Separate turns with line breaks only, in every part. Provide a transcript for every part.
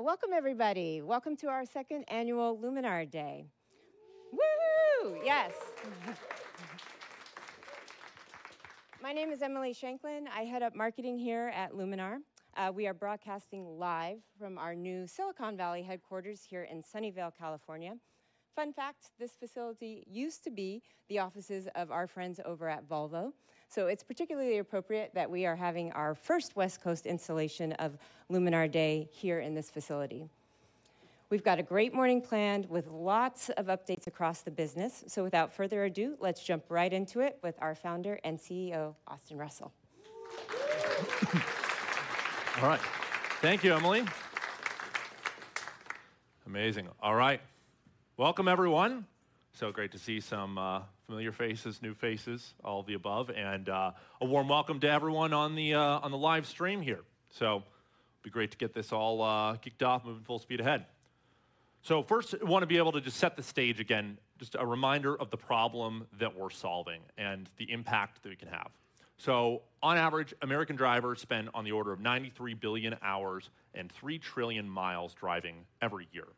Oh, welcome everybody. Welcome to our second annual Luminar Day. Woo! Yes. My name is Emily Shanklin. I head up marketing here at Luminar. We are broadcasting live from our new Silicon Valley headquarters here in Sunnyvale, California. Fun fact, this facility used to be the offices of our friends over at Volvo, so it's particularly appropriate that we are having our first West Coast installation of Luminar Day here in this facility. We've got a great morning planned with lots of updates across the business, so without further ado, let's jump right into it with our founder and CEO, Austin Russell.
All right. Thank you, Emily. Amazing. All right. Welcome, everyone. So great to see some familiar faces, new faces, all the above, and a warm welcome to everyone on the live stream here. So, be great to get this all kicked off, moving full speed ahead. So first, want to be able to just set the stage again, just a reminder of the problem that we're solving and the impact that it can have. So on average, American drivers spend on the order of 93 billion hours and three trillion miles driving every year.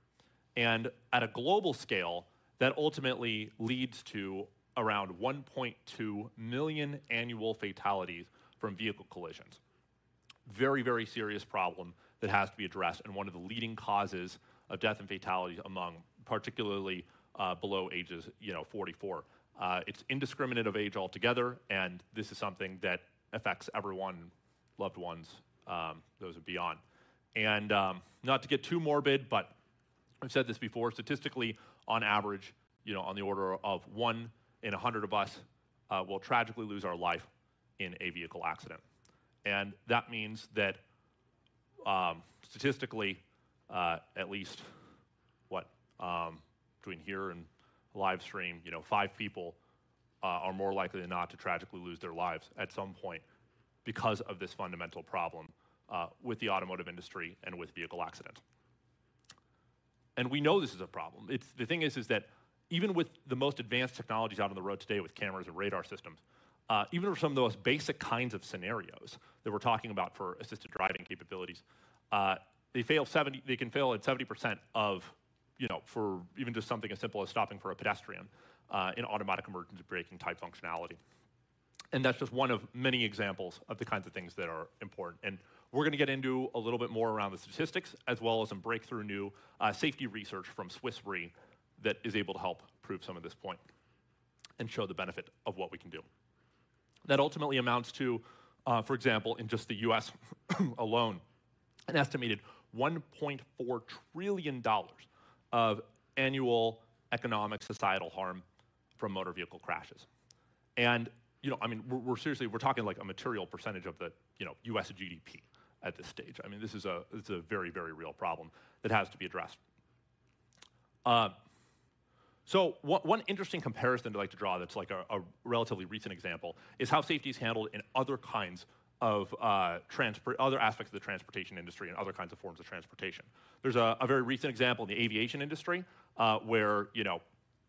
And at a global scale, that ultimately leads to around 1.2 million annual fatalities from vehicle collisions. Very, very serious problem that has to be addressed, and one of the leading causes of death and fatalities among particularly below ages, you know, 44. It's indiscriminate of age altogether, and this is something that affects everyone, loved ones, those beyond. And, not to get too morbid, but I've said this before, statistically, on average, you know, on the order of one in 100 of us will tragically lose our life in a vehicle accident. And that means that, statistically, at least, between here and live stream, you know, five people are more likely than not to tragically lose their lives at some point because of this fundamental problem with the automotive industry and with vehicle accidents. And we know this is a problem. The thing is, that even with the most advanced technologies out on the road today, with cameras and radar systems, even for some of the most basic kinds of scenarios that we're talking about for assisted driving capabilities, they can fail at 70% of, you know, for even just something as simple as stopping for a pedestrian, in automatic emergency braking type functionality. And that's just one of many examples of the kinds of things that are important. And we're gonna get into a little bit more around the statistics, as well as some breakthrough new safety research from Swiss Re, that is able to help prove some of this point and show the benefit of what we can do. That ultimately amounts to, for example, in just the U.S. alone, an estimated $1.4 trillion of annual economic, societal harm from motor vehicle crashes. And, you know, I mean, we're, we're seriously, we're talking like a material percentage of the, you know, U.S. GDP at this stage. I mean, this is a, it's a very, very real problem that has to be addressed. So one, one interesting comparison I'd like to draw that's like a, a relatively recent example, is how safety is handled in other kinds of, other aspects of the transportation industry and other kinds of forms of transportation. There's a very recent example in the aviation industry, where, you know,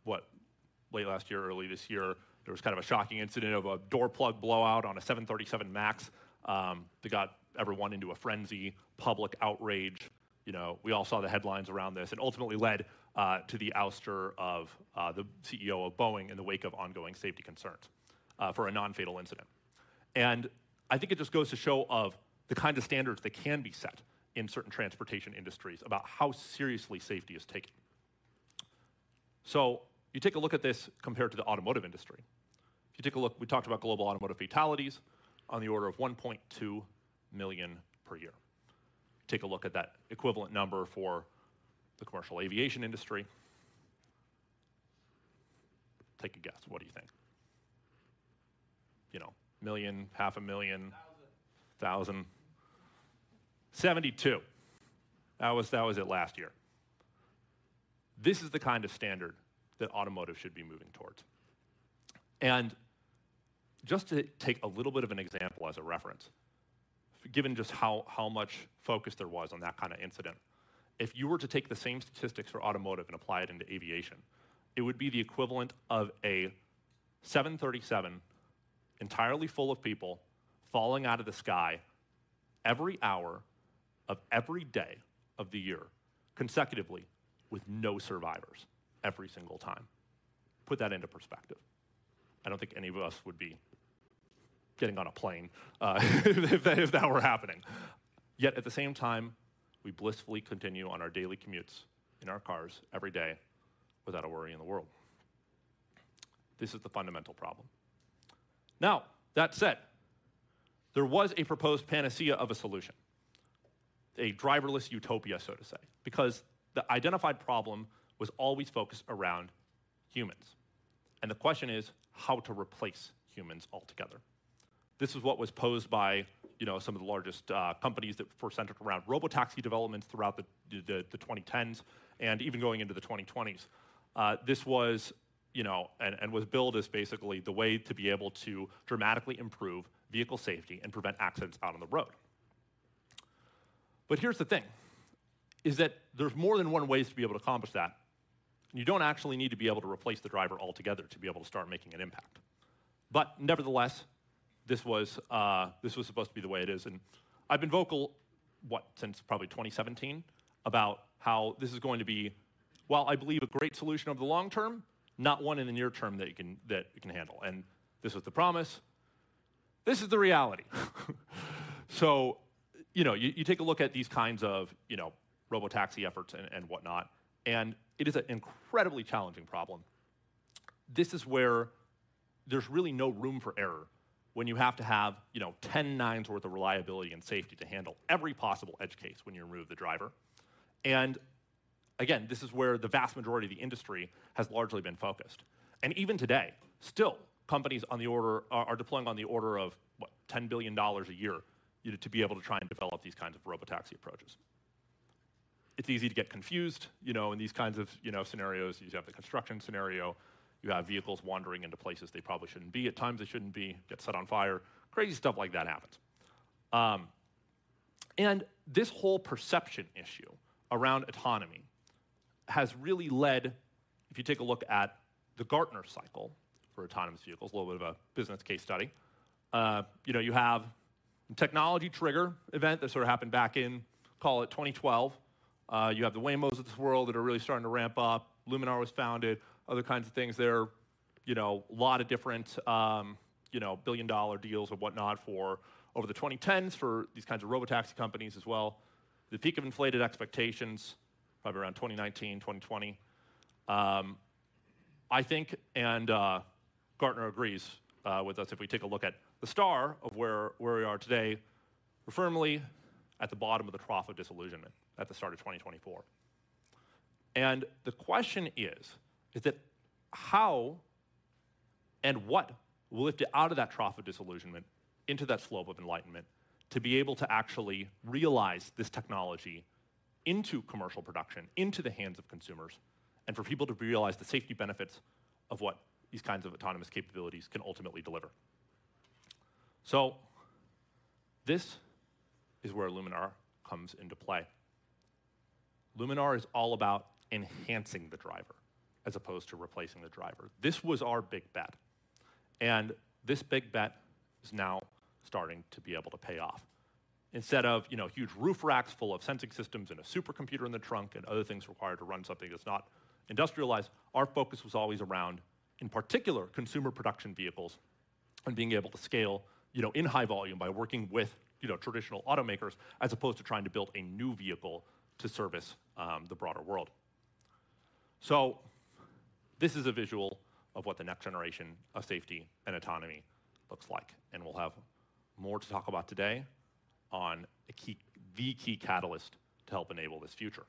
late last year, early this year, there was kind of a shocking incident of a door plug blowout on a 737 Max, that got everyone into a frenzy, public outrage. You know, we all saw the headlines around this. It ultimately led to the ouster of the CEO of Boeing in the wake of ongoing safety concerns for a non-fatal incident. And I think it just goes to show of the kind of standards that can be set in certain transportation industries about how seriously safety is taken. So you take a look at this compared to the automotive industry. If you take a look, we talked about global automotive fatalities on the order of 1.2 million per year. Take a look at that equivalent number for the commercial aviation industry. Take a guess. What do you think? You know, $1 million, $500,000- Thousand. 1,072. That was, that was it last year. This is the kind of standard that automotive should be moving towards. And just to take a little bit of an example as a reference, given just how, how much focus there was on that kind of incident, if you were to take the same statistics for automotive and apply it into aviation, it would be the equivalent of a 737, entirely full of people, falling out of the sky every hour of every day of the year, consecutively, with no survivors, every single time. Put that into perspective. I don't think any of us would be getting on a plane, if that, if that were happening. Yet, at the same time, we blissfully continue on our daily commutes in our cars every day without a worry in the world. This is the fundamental problem. Now, that said, there was a proposed panacea of a solution, a driverless utopia, so to say, because the identified problem was always focused around humans, and the question is how to replace humans altogether. This is what was posed by, you know, some of the largest companies that were centered around robotaxi developments throughout the 2010s and even going into the 2020s. This was, you know, and was billed as basically the way to be able to dramatically improve vehicle safety and prevent accidents out on the road. But here's the thing, is that there's more than one ways to be able to accomplish that. You don't actually need to be able to replace the driver altogether to be able to start making an impact... but nevertheless, this was, this was supposed to be the way it is. I've been vocal, what, since probably 2017, about how this is going to be, while I believe a great solution over the long term, not one in the near term that you can, that it can handle. This was the promise, this is the reality. So, you know, you take a look at these kinds of, you know, robotaxi efforts and, and whatnot, and it is an incredibly challenging problem. This is where there's really no room for error when you have to have, you know, 10 nines worth of reliability and safety to handle every possible edge case when you remove the driver. And again, this is where the vast majority of the industry has largely been focused. Even today, still, companies on the order are deploying on the order of, what, $10 billion a year, you know, to be able to try and develop these kinds of robotaxi approaches. It's easy to get confused, you know, in these kinds of, you know, scenarios. You have the construction scenario, you have vehicles wandering into places they probably shouldn't be, at times they shouldn't be, get set on fire. Crazy stuff like that happens. And this whole perception issue around autonomy has really led... If you take a look at the Gartner cycle for autonomous vehicles, a little bit of a business case study. You know, you have technology trigger event that sort of happened back in, call it 2012. You have the Waymos of this world that are really starting to ramp up. Luminar was founded. Other kinds of things there, you know, a lot of different, you know, billion-dollar deals or whatnot for over the 2010s for these kinds of robotaxi companies as well. The peak of inflated expectations, probably around 2019, 2020. I think, and, Gartner agrees, with us, if we take a look at the state of where we are today, we're firmly at the bottom of the trough of disillusionment at the start of 2024. And the question is, is that how and what will lift it out of that trough of disillusionment, into that slope of enlightenment, to be able to actually realize this technology into commercial production, into the hands of consumers, and for people to realize the safety benefits of what these kinds of autonomous capabilities can ultimately deliver? So this is where Luminar comes into play. Luminar is all about enhancing the driver as opposed to replacing the driver. This was our big bet, and this big bet is now starting to be able to pay off. Instead of, you know, huge roof racks full of sensing systems and a supercomputer in the trunk and other things required to run something that's not industrialized, our focus was always around, in particular, consumer production vehicles and being able to scale, you know, in high volume by working with, you know, traditional automakers, as opposed to trying to build a new vehicle to service the broader world. So this is a visual of what the next generation of safety and autonomy looks like, and we'll have more to talk about today on the key catalyst to help enable this future.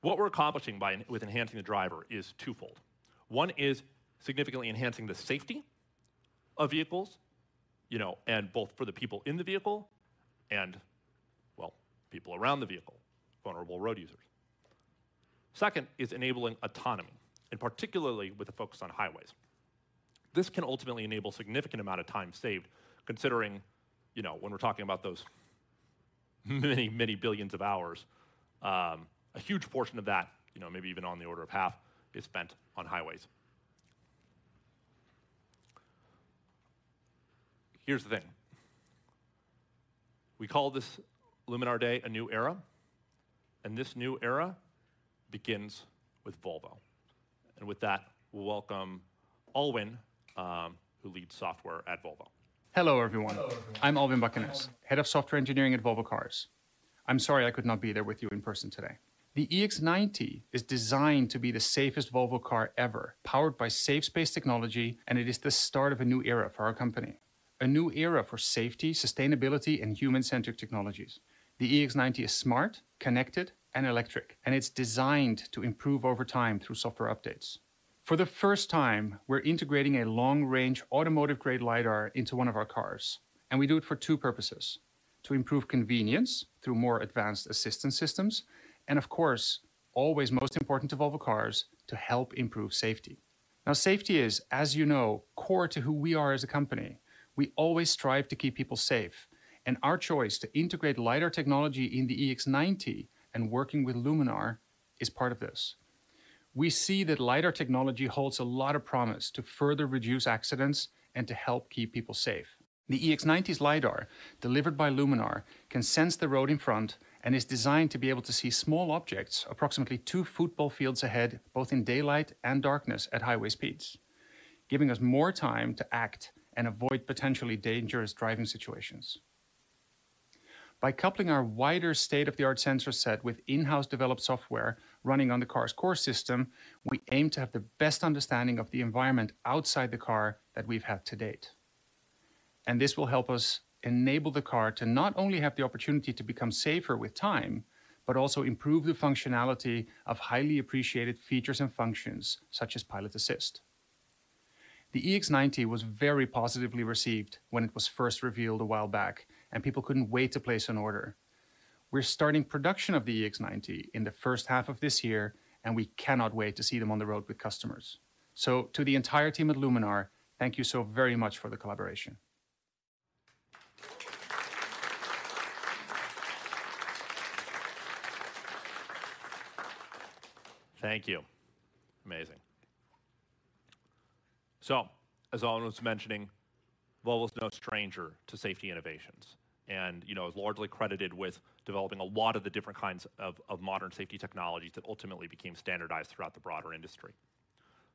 What we're accomplishing by with enhancing the driver is twofold. One is significantly enhancing the safety of vehicles, you know, and both for the people in the vehicle and, well, people around the vehicle, vulnerable road users. Second is enabling autonomy, and particularly with a focus on highways. This can ultimately enable significant amount of time saved, considering, you know, when we're talking about those many, many billions of hours, a huge portion of that, you know, maybe even on the order of half, is spent on highways. Here's the thing: We call this Luminar Day, a new era, and this new era begins with Volvo. And with that, we'll welcome Alwin, who leads software at Volvo.
Hello, everyone. I'm Alwin Bakkenes, head of software engineering at Volvo Cars. I'm sorry I could not be there with you in person today. The EX90 is designed to be the safest Volvo car ever, powered by Safe Space Technology, and it is the start of a new era for our company. A new era for safety, sustainability, and human-centric technologies. The EX90 is smart, connected, and electric, and it's designed to improve over time through software updates. For the first time, we're integrating a long-range automotive-grade LiDAR into one of our cars, and we do it for two purposes: to improve convenience through more advanced assistance systems, and of course, always most important to Volvo Cars, to help improve safety. Now, safety is, as you know, core to who we are as a company. We always strive to keep people safe, and our choice to integrate lidar technology in the EX90 and working with Luminar is part of this. We see that lidar technology holds a lot of promise to further reduce accidents and to help keep people safe. The EX90's lidar, delivered by Luminar, can sense the road in front and is designed to be able to see small objects approximately two football fields ahead, both in daylight and darkness at highway speeds, giving us more time to act and avoid potentially dangerous driving situations. By coupling our wider state-of-the-art sensor set with in-house developed software running on the car's core system, we aim to have the best understanding of the environment outside the car that we've had to date. This will help us enable the car to not only have the opportunity to become safer with time, but also improve the functionality of highly appreciated features and functions, such as Pilot Assist. The EX90 was very positively received when it was first revealed a while back, and people couldn't wait to place an order. We're starting production of the EX90 in the first half of this year, and we cannot wait to see them on the road with customers. To the entire team at Luminar, thank you so very much for the collaboration....
Thank you. Amazing. So, as Alwin was mentioning, Volvo is no stranger to safety innovations, and, you know, is largely credited with developing a lot of the different kinds of modern safety technologies that ultimately became standardized throughout the broader industry.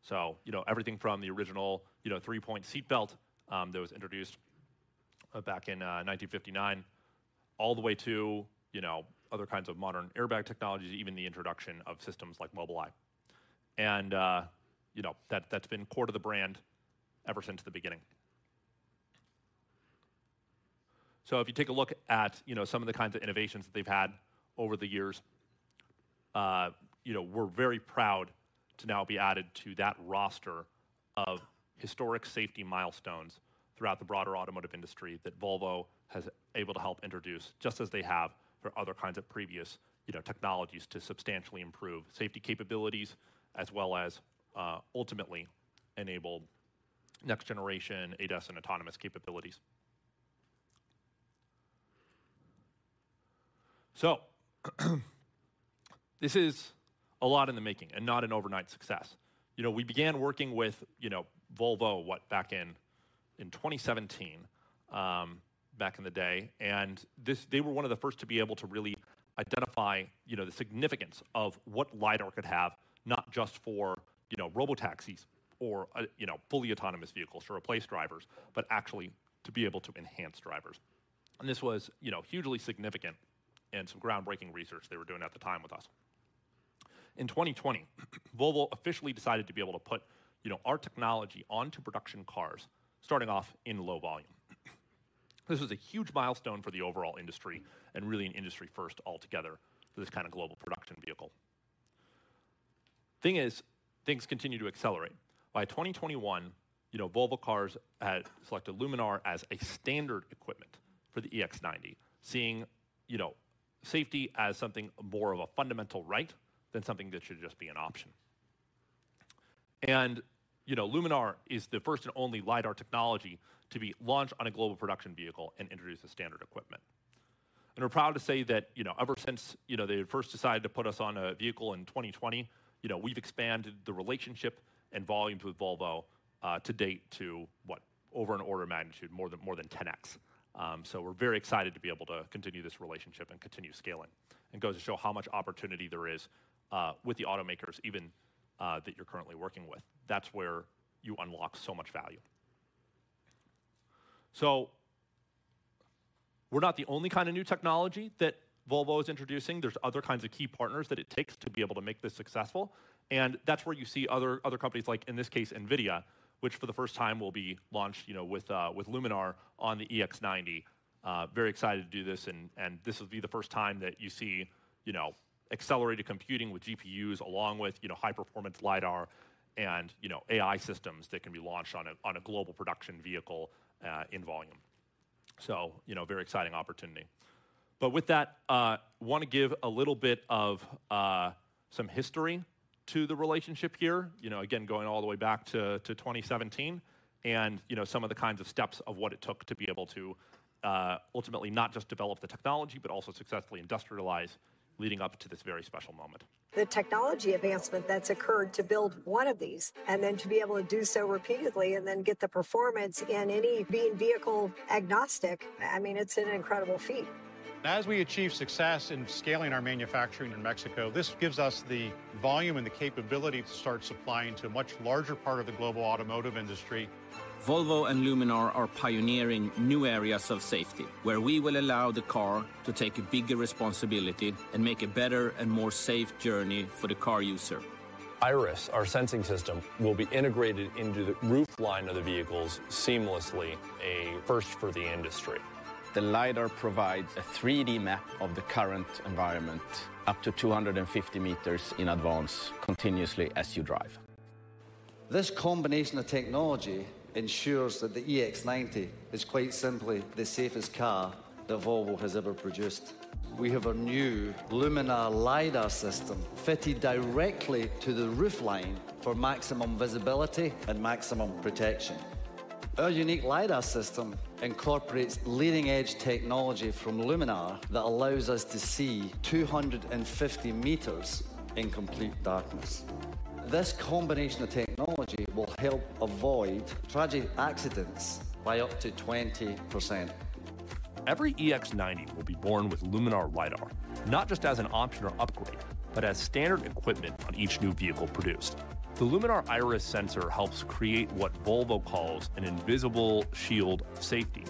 So, you know, everything from the original, you know, three-point seatbelt that was introduced back in 1959, all the way to, you know, other kinds of modern airbag technologies, even the introduction of systems like Mobileye. And, you know, that, that's been core to the brand ever since the beginning. So if you take a look at, you know, some of the kinds of innovations that they've had over the years, you know, we're very proud to now be added to that roster of historic safety milestones throughout the broader automotive industry that Volvo has able to help introduce, just as they have for other kinds of previous, you know, technologies, to substantially improve safety capabilities, as well as, ultimately enable next generation ADAS and autonomous capabilities. So, this is a lot in the making and not an overnight success. You know, we began working with, you know, Volvo, what, back in, in 2017, back in the day, and this... They were one of the first to be able to really identify, you know, the significance of what LiDAR could have, not just for, you know, robotaxis or, you know, fully autonomous vehicles to replace drivers, but actually to be able to enhance drivers. And this was, you know, hugely significant, and some groundbreaking research they were doing at the time with us. In 2020, Volvo officially decided to be able to put, you know, our technology onto production cars, starting off in low volume. This was a huge milestone for the overall industry and really an industry first altogether for this kind of global production vehicle. Thing is, things continued to accelerate. By 2021, you know, Volvo Cars had selected Luminar as a standard equipment for the EX90, seeing, you know, safety as something more of a fundamental right than something that should just be an option. You know, Luminar is the first and only lidar technology to be launched on a global production vehicle and introduced as standard equipment. We're proud to say that, you know, ever since, you know, they had first decided to put us on a vehicle in 2020, you know, we've expanded the relationship and volumes with Volvo to date to what? Over an order of magnitude, more than 10x. So we're very excited to be able to continue this relationship and continue scaling. It goes to show how much opportunity there is with the automakers, even that you're currently working with. That's where you unlock so much value. So we're not the only kind of new technology that Volvo is introducing. There's other kinds of key partners that it takes to be able to make this successful, and that's where you see other, other companies, like, in this case, NVIDIA, which for the first time will be launched, you know, with, with Luminar on the EX90. Very excited to do this, and, and this will be the first time that you see, you know, accelerated computing with GPUs along with, you know, high-performance LiDAR and, you know, AI systems that can be launched on a, on a global production vehicle, in volume. So, you know, very exciting opportunity. But with that, want to give a little bit of some history to the relationship here, you know, again, going all the way back to 2017, and, you know, some of the kinds of steps of what it took to be able to ultimately not just develop the technology, but also successfully industrialize, leading up to this very special moment.
The technology advancement that's occurred to build one of these, and then to be able to do so repeatedly, and then get the performance in any, being vehicle-agnostic, I mean, it's an incredible feat.
As we achieve success in scaling our manufacturing in Mexico, this gives us the volume and the capability to start supplying to a much larger part of the global automotive industry. Volvo and Luminar are pioneering new areas of safety, where we will allow the car to take a bigger responsibility and make a better and more safe journey for the car user. Iris, our sensing system, will be integrated into the roofline of the vehicles seamlessly, a first for the industry. The LiDAR provides a 3D map of the current environment up to 250 meters in advance, continuously as you drive. This combination of technology ensures that the EX90 is quite simply the safest car that Volvo has ever produced. We have a new Luminar lidar system fitted directly to the roofline for maximum visibility and maximum protection. Our unique lidar system incorporates leading-edge technology from Luminar that allows us to see 250 meters in complete darkness. This combination of technology will help avoid tragic accidents by up to 20%.
Every EX90 will be born with Luminar lidar, not just as an option or upgrade, but as standard equipment on each new vehicle produced. The Luminar Iris sensor helps create what Volvo calls an invisible shield of safety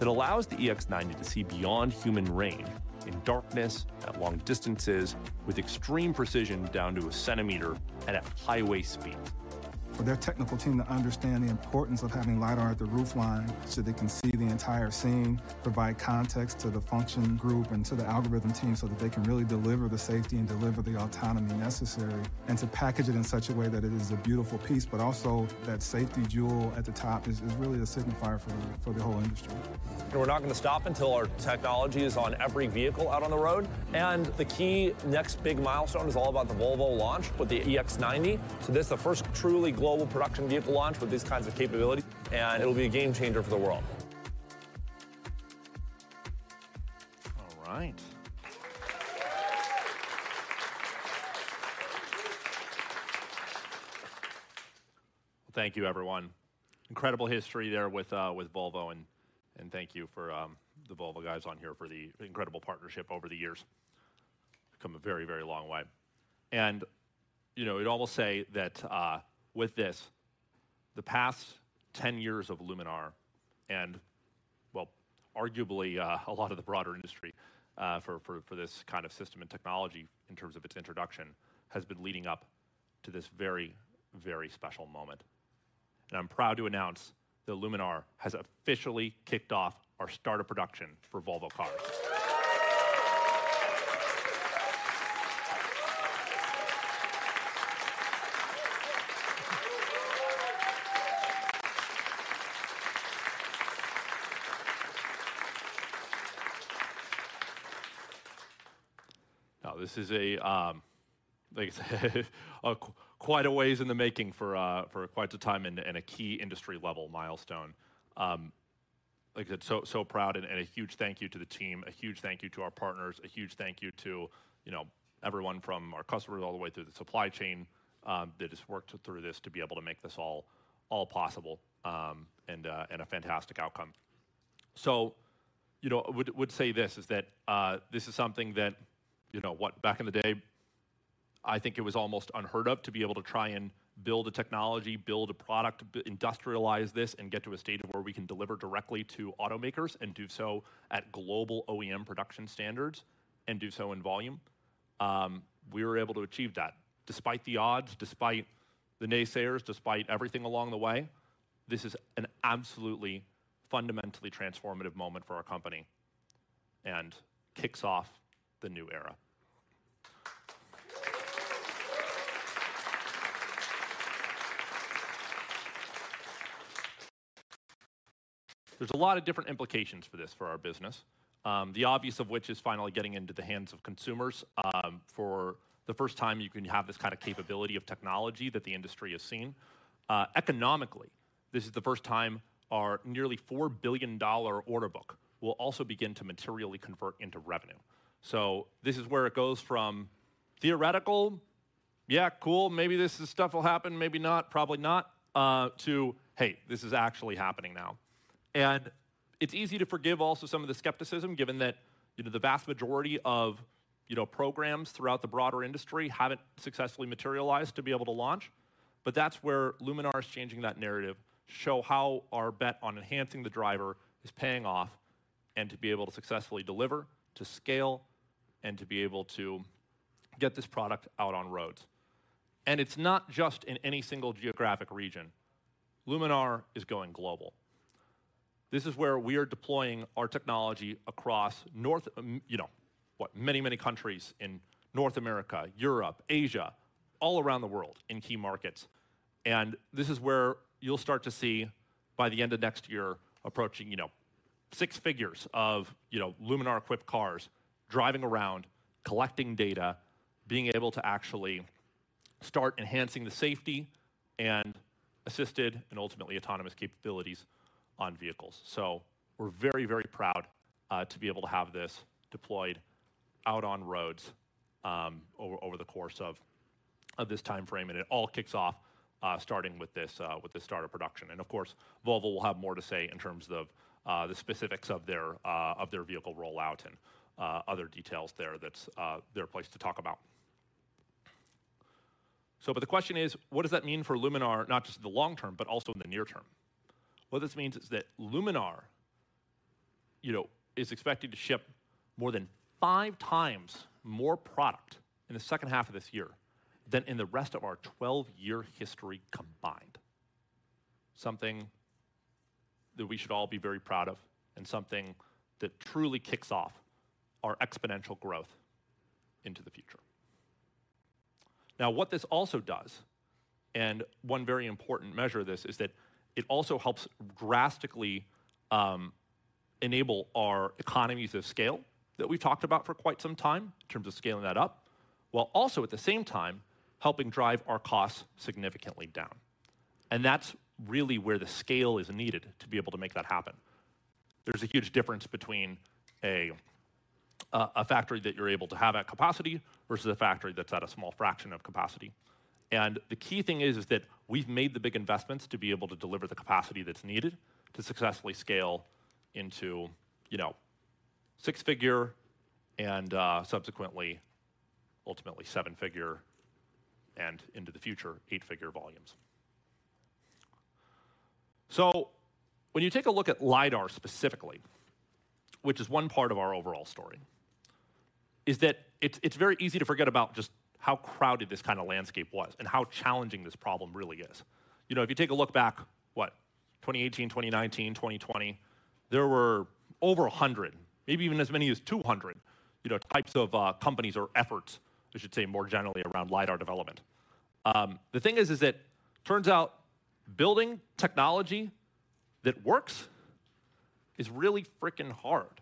that allows the EX90 to see beyond human range in darkness, at long distances, with extreme precision, down to a centimeter, and at highway speed. For their technical team to understand the importance of having lidar at the roofline, so they can see the entire scene, provide context to the function group and to the algorithm team, so that they can really deliver the safety and deliver the autonomy necessary. To package it in such a way that it is a beautiful piece, but also that safety jewel at the top is really the signifier for the whole industry. We're not gonna stop until our technology is on every vehicle out on the road, and the key next big milestone is all about the Volvo launch with the EX90. This is the first truly global production vehicle launch with these kinds of capabilities, and it'll be a game changer for the world....
All right. Thank you, everyone. Incredible history there with Volvo, and thank you for the Volvo guys on here for the incredible partnership over the years. Come a very, very long way. And, you know, I'd almost say that with this, the past 10 years of Luminar and, well, arguably, a lot of the broader industry for this kind of system and technology in terms of its introduction has been leading up to this very, very special moment. And I'm proud to announce that Luminar has officially kicked off our start of production for Volvo Cars. Now, this is a, like I said, quite a ways in the making for quite some time and a key industry-level milestone. Like I said, so proud and a huge thank you to the team, a huge thank you to our partners, a huge thank you to, you know, everyone from our customers all the way through the supply chain that has worked through this to be able to make this all possible, and a fantastic outcome. So, you know, would say this is that this is something that, you know what? Back in the day, I think it was almost unheard of to be able to try and build a technology, build a product, industrialize this, and get to a state of where we can deliver directly to automakers and do so at global OEM production standards and do so in volume. We were able to achieve that despite the odds, despite the naysayers, despite everything along the way. This is an absolutely, fundamentally transformative moment for our company and kicks off the new era. There's a lot of different implications for this, for our business, the obvious of which is finally getting into the hands of consumers. For the first time, you can have this kind of capability of technology that the industry has seen. Economically, this is the first time our nearly $4 billion order book will also begin to materially convert into revenue. So this is where it goes from theoretical, "Yeah, cool, maybe this stuff will happen, maybe not. Probably not," to, "Hey, this is actually happening now." It's easy to forgive also some of the skepticism, given that, you know, the vast majority of, you know, programs throughout the broader industry haven't successfully materialized to be able to launch. But that's where Luminar is changing that narrative, show how our bet on enhancing the driver is paying off, and to be able to successfully deliver, to scale, and to be able to get this product out on roads. It's not just in any single geographic region. Luminar is going global. This is where we are deploying our technology across North America, you know, what? Many, many countries in North America, Europe, Asia, all around the world in key markets. This is where you'll start to see, by the end of next year, approaching, you know, six figures of, you know, Luminar-equipped cars driving around, collecting data, being able to actually start enhancing the safety and assisted and ultimately autonomous capabilities on vehicles. So we're very, very proud to be able to have this deployed out on roads, over the course of this time frame. It all kicks off starting with this start of production. Of course, Volvo will have more to say in terms of the specifics of their vehicle rollout and other details there that's their place to talk about. So, but the question is: what does that mean for Luminar, not just in the long term, but also in the near term? What this means is that Luminar, you know, is expected to ship more than five times more product in the second half of this year than in the rest of our 12-year history combined. Something that we should all be very proud of and something that truly kicks off our exponential growth into the future. Now, what this also does, and one very important measure of this, is that it also helps drastically enable our economies of scale that we've talked about for quite some time, in terms of scaling that up, while also at the same time helping drive our costs significantly down, and that's really where the scale is needed to be able to make that happen. There's a huge difference between a factory that you're able to have at capacity versus a factory that's at a small fraction of capacity. And the key thing is, is that we've made the big investments to be able to deliver the capacity that's needed to successfully scale into, you know, six-figure and, subsequently, ultimately seven-figure, and into the future, eight-figure volumes. So when you take a look at lidar specifically, which is one part of our overall story, is that it's, it's very easy to forget about just how crowded this kind of landscape was and how challenging this problem really is. You know, if you take a look back, what? 2018, 2019, 2020, there were over 100, maybe even as many as 200, you know, types of, companies or efforts, I should say, more generally around lidar development. The thing is, is it turns out building technology that works is really freaking hard.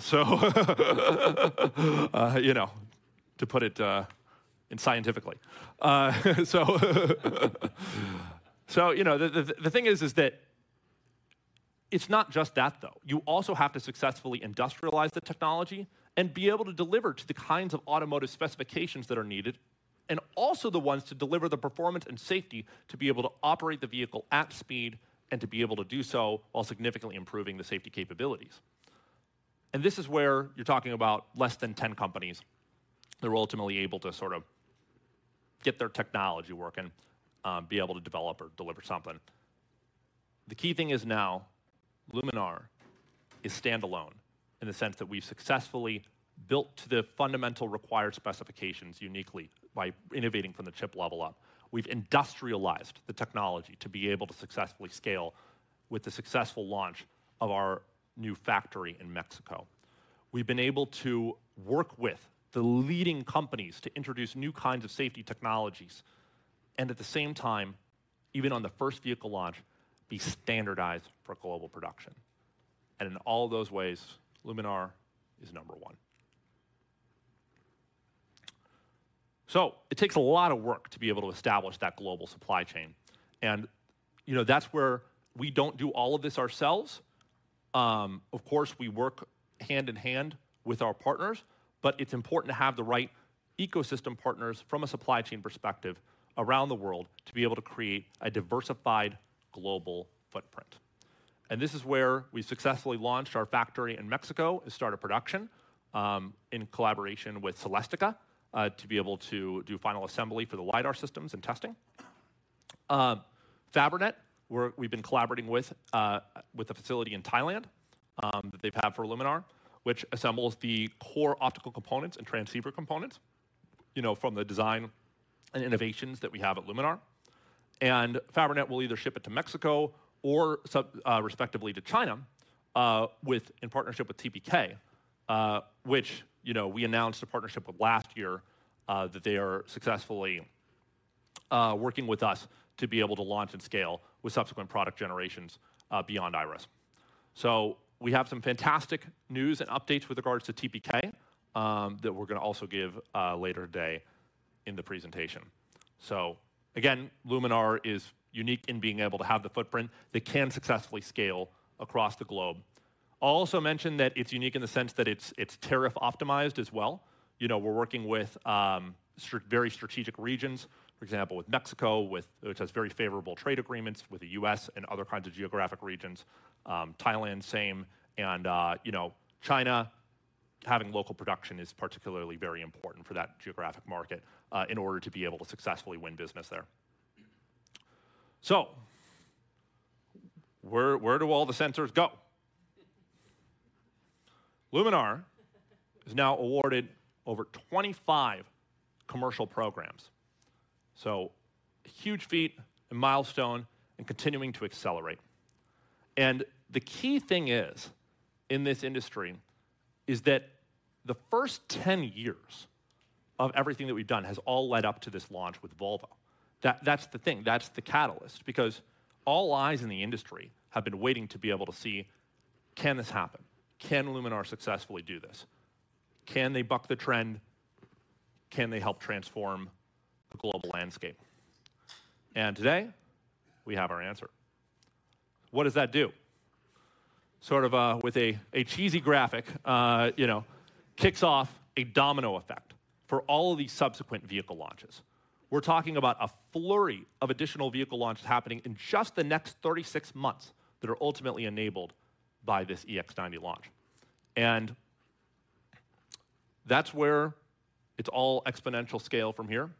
So, you know, to put it, in scientifically. So you know, the thing is that it's not just that though. You also have to successfully industrialize the technology and be able to deliver to the kinds of automotive specifications that are needed, and also the ones to deliver the performance and safety to be able to operate the vehicle at speed, and to be able to do so while significantly improving the safety capabilities. And this is where you're talking about less than 10 companies that are ultimately able to sort of get their technology working, be able to develop or deliver something. The key thing is now, Luminar is standalone, in the sense that we've successfully built to the fundamental required specifications uniquely by innovating from the chip level up. We've industrialized the technology to be able to successfully scale with the successful launch of our new factory in Mexico. We've been able to work with the leading companies to introduce new kinds of safety technologies, and at the same time, even on the first vehicle launch, be standardized for global production. In all those ways, Luminar is number one. So it takes a lot of work to be able to establish that global supply chain. You know, that's where we don't do all of this ourselves. Of course, we work hand in hand with our partners, but it's important to have the right ecosystem partners from a supply chain perspective around the world, to be able to create a diversified global footprint. This is where we successfully launched our factory in Mexico and started production in collaboration with Celestica to be able to do final assembly for the lidar systems and testing. Fabrinet, we've been collaborating with a facility in Thailand that they've had for Luminar, which assembles the core optical components and transceiver components, you know, from the design and innovations that we have at Luminar. And Fabrinet will either ship it to Mexico or respectively to China with in partnership with TPK, which, you know, we announced a partnership with last year that they are successfully working with us to be able to launch and scale with subsequent product generations beyond Iris. So we have some fantastic news and updates with regards to TPK that we're gonna also give later today in the presentation. So again, Luminar is unique in being able to have the footprint that can successfully scale across the globe. I'll also mention that it's unique in the sense that it's tariff optimized as well. You know, we're working with very strategic regions, for example, with Mexico, which has very favorable trade agreements with the U.S. and other kinds of geographic regions. Thailand, same. And you know, China, having local production is particularly very important for that geographic market, in order to be able to successfully win business there. So where, where do all the sensors go? Luminar is now awarded over 25 commercial programs. So a huge feat, a milestone, and continuing to accelerate. And the key thing is, in this industry, is that the first 10 years of everything that we've done has all led up to this launch with Volvo. That, that's the thing, that's the catalyst, because all eyes in the industry have been waiting to be able to see, can this happen? Can Luminar successfully do this? Can they buck the trend? Can they help transform the global landscape? And today, we have our answer. What does that do? Sort of, with a cheesy graphic, you know, kicks off a domino effect for all of these subsequent vehicle launches. We're talking about a flurry of additional vehicle launches happening in just the next 36 months that are ultimately enabled by this EX90 launch. And that's where it's all exponential scale from here.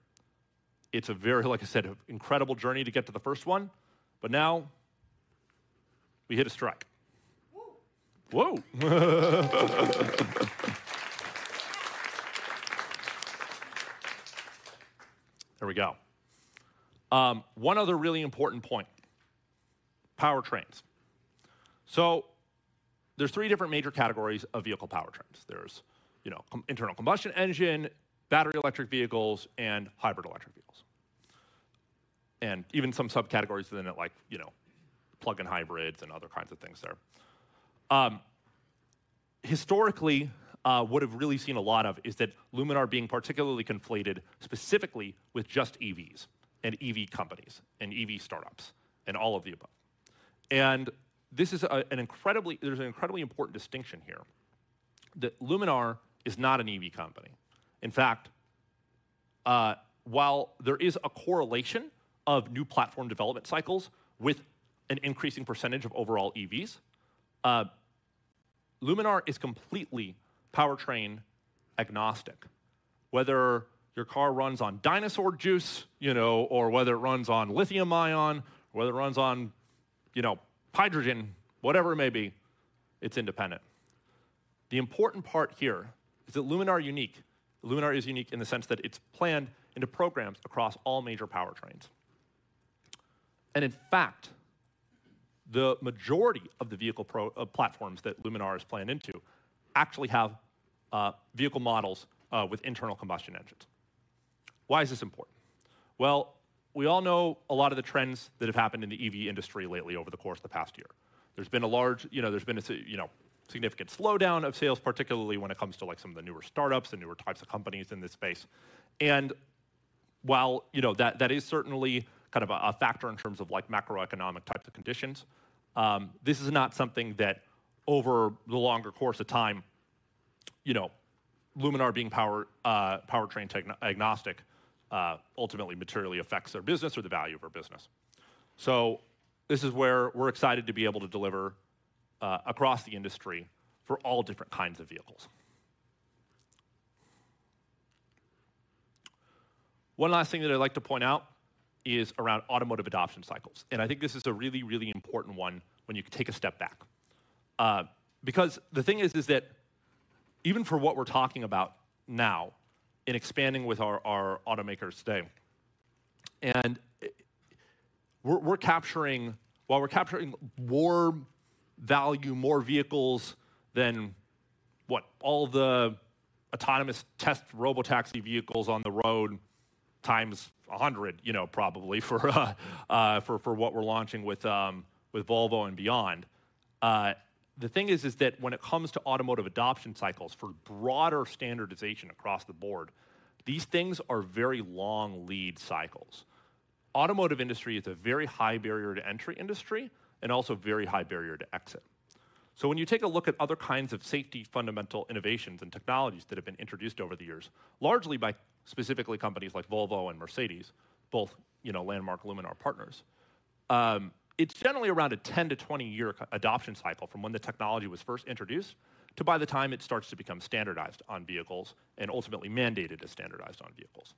It's a very, like I said, incredible journey to get to the first one, but now we hit a strike.
Woo!
Whoa! There we go. One other really important point, powertrains. So there's three different major categories of vehicle powertrains. There's, you know, internal combustion engine, battery electric vehicles, and hybrid electric vehicles. And even some subcategories within it, like, you know, plug-in hybrids and other kinds of things there. Historically, what we've really seen a lot of is that Luminar being particularly conflated specifically with just EVs, and EV companies, and EV startups, and all of the above. And this is a, an incredibly... there's an incredibly important distinction here, that Luminar is not an EV company. In fact, while there is a correlation of new platform development cycles with an increasing percentage of overall EVs, Luminar is completely powertrain agnostic. Whether your car runs on dinosaur juice, you know, or whether it runs on lithium-ion, whether it runs on, you know, hydrogen, whatever it may be, it's independent. The important part here is that Luminar unique- Luminar is unique in the sense that it's planned into programs across all major powertrains. And in fact, the majority of the vehicle platforms that Luminar is planned into actually have vehicle models with internal combustion engines. Why is this important? Well, we all know a lot of the trends that have happened in the EV industry lately over the course of the past year. There's been a significant slowdown of sales, particularly when it comes to, like, some of the newer startups and newer types of companies in this space. And while, you know, that, that is certainly kind of a, a factor in terms of, like, macroeconomic types of conditions, this is not something that over the longer course of time, you know, Luminar being powertrain technology-agnostic, ultimately materially affects their business or the value of our business. So this is where we're excited to be able to deliver across the industry for all different kinds of vehicles. One last thing that I'd like to point out is around automotive adoption cycles, and I think this is a really, really important one when you take a step back. Because the thing is, is that even for what we're talking about now in expanding with our, our automakers today, and, we're, we're capturing... While we're capturing more value, more vehicles than, what, all the autonomous test robotaxi vehicles on the road times 100, you know, probably for what we're launching with Volvo and beyond. The thing is that when it comes to automotive adoption cycles for broader standardization across the board, these things are very long lead cycles. Automotive industry is a very high barrier to entry industry and also very high barrier to exit. So when you take a look at other kinds of safety, fundamental innovations and technologies that have been introduced over the years, largely by specifically companies like Volvo and Mercedes, both, you know, landmark Luminar partners, it's generally around a 10-20-year adoption cycle from when the technology was first introduced to by the time it starts to become standardized on vehicles and ultimately mandated as standardized on vehicles.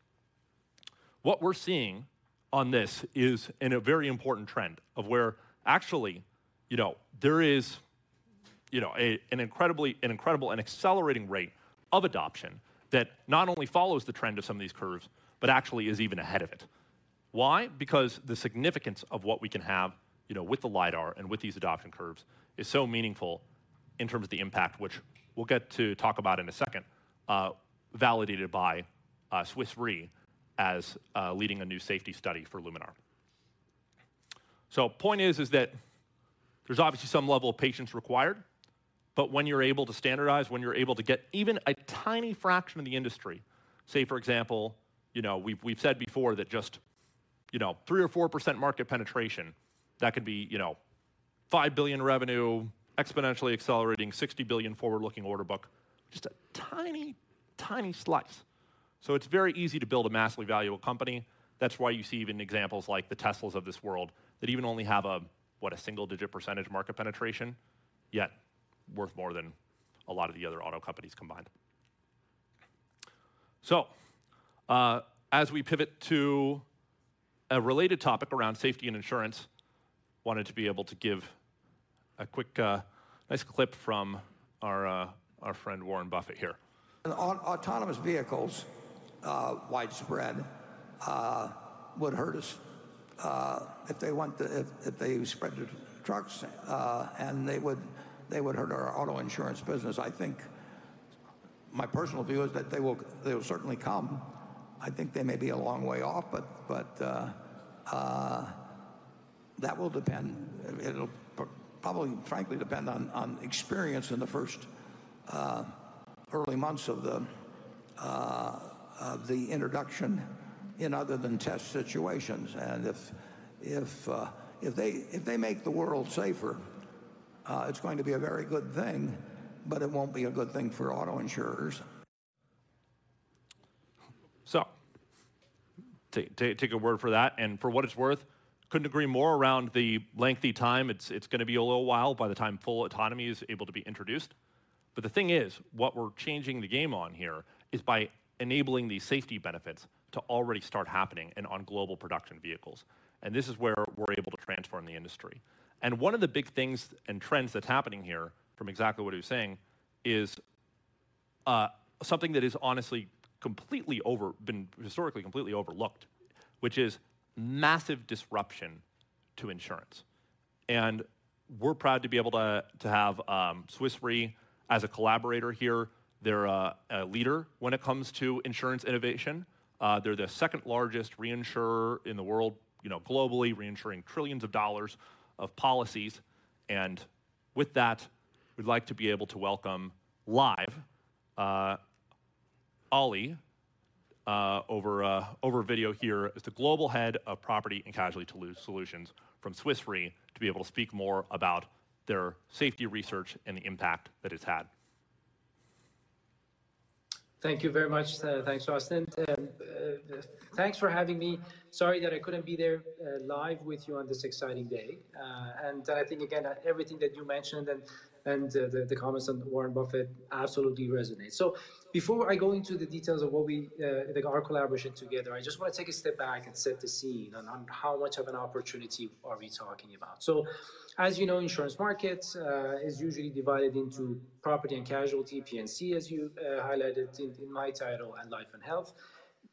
What we're seeing on this is, and a very important trend, of where actually, you know, there is, you know, a, an incredible and accelerating rate of adoption that not only follows the trend of some of these curves, but actually is even ahead of it. Why? Because the significance of what we can have, you know, with the lidar and with these adoption curves is so meaningful in terms of the impact, which we'll get to talk about in a second, validated by Swiss Re as leading a new safety study for Luminar. So point is, is that there's obviously some level of patience required, but when you're able to standardize, when you're able to get even a tiny fraction of the industry, say, for example, you know, we've, we've said before that just, you know, 3 or 4% market penetration, that could be, you know, $5 billion revenue, exponentially accelerating $60 billion forward-looking order book, just a tiny, tiny slice. So it's very easy to build a massively valuable company. That's why you see even examples like the Teslas of this world, that even only have a, what, a single-digit percentage market penetration, yet worth more than a lot of the other auto companies combined. So, as we pivot to a related topic around safety and insurance, wanted to be able to give a quick, nice clip from our, our friend Warren Buffett here.... On autonomous vehicles, widespread would hurt us if they want to—if they spread to trucks, and they would. They would hurt our auto insurance business. I think my personal view is that they will certainly come. I think they may be a long way off, but that will depend... It'll probably frankly depend on experience in the first early months of the introduction in other than test situations. And if they make the world safer, it's going to be a very good thing, but it won't be a good thing for auto insurers. So take our word for that. And for what it's worth, couldn't agree more around the lengthy time. It's gonna be a little while by the time full autonomy is able to be introduced. But the thing is, what we're changing the game on here is by enabling these safety benefits to already start happening and on global production vehicles, and this is where we're able to transform the industry. And one of the big things and trends that's happening here, from exactly what he was saying, is something that is honestly completely overlooked, which is massive disruption to insurance. And we're proud to be able to have Swiss Re as a collaborator here. They're a leader when it comes to insurance innovation. They're the second largest reinsurer in the world, you know, globally, reinsuring trillions of dollars of policies. And with that, we'd like to be able to welcome live, Ali, over video here, as the global head of property and casualty tools solutions from Swiss Re, to be able to speak more about their safety research and the impact that it's had.
Thank you very much. Thanks, Austin. Thanks for having me. Sorry that I couldn't be there live with you on this exciting day. And I think, again, everything that you mentioned and the comments on Warren Buffett absolutely resonates. So before I go into the details of what we our collaboration together, I just wanna take a step back and set the scene on how much of an opportunity are we talking about. So, as you know, insurance markets is usually divided into property and casualty, P&C, as you highlighted in my title, and life and health.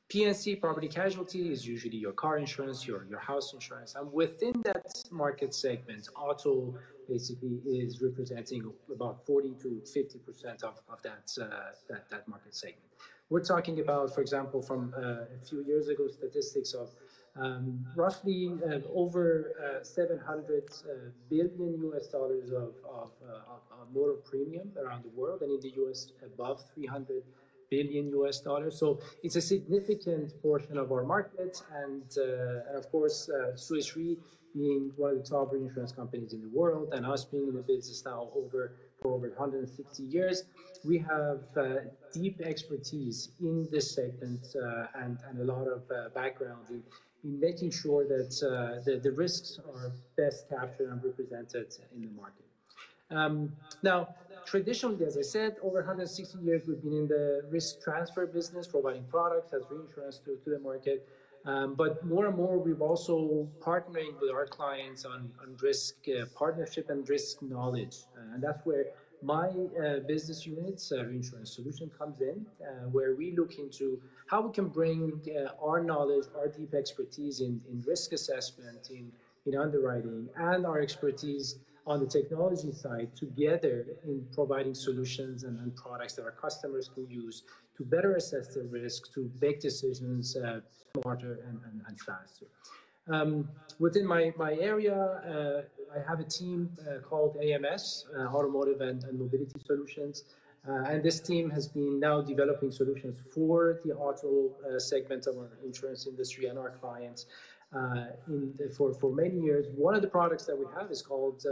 P&C, property casualty, is usually your car insurance, your house insurance. And within that market segment, auto basically is representing about 40%-50% of that market segment. We're talking about, for example, from a few years ago, statistics of roughly over $700 billion of motor premium around the world, and in the US, above $300 billion. So it's a significant portion of our market. Of course, Swiss Re being one of the top reinsurance companies in the world, and us being in the business now for over 160 years, we have deep expertise in this segment, and a lot of background in making sure that the risks are best captured and represented in the market. Now, traditionally, as I said, over 160 years, we've been in the risk transfer business, providing products as reinsurance to the market. But more and more, we've also partnering with our clients on, on risk, partnership and risk knowledge. And that's where my business unit, Reinsurance Solutions, comes in, where we look into how we can bring, our knowledge, our deep expertise in, in risk assessment, in, in underwriting, and our expertise on the technology side together in providing solutions and, and products that our customers could use to better assess the risk, to make decisions, smarter and, and, and faster. Within my, my area, I have a team, called AMS, Automotive and, and Mobility Solutions. And this team has been now developing solutions for the auto, segment of our insurance industry and our clients, in, for, for many years. One of the products that we have is called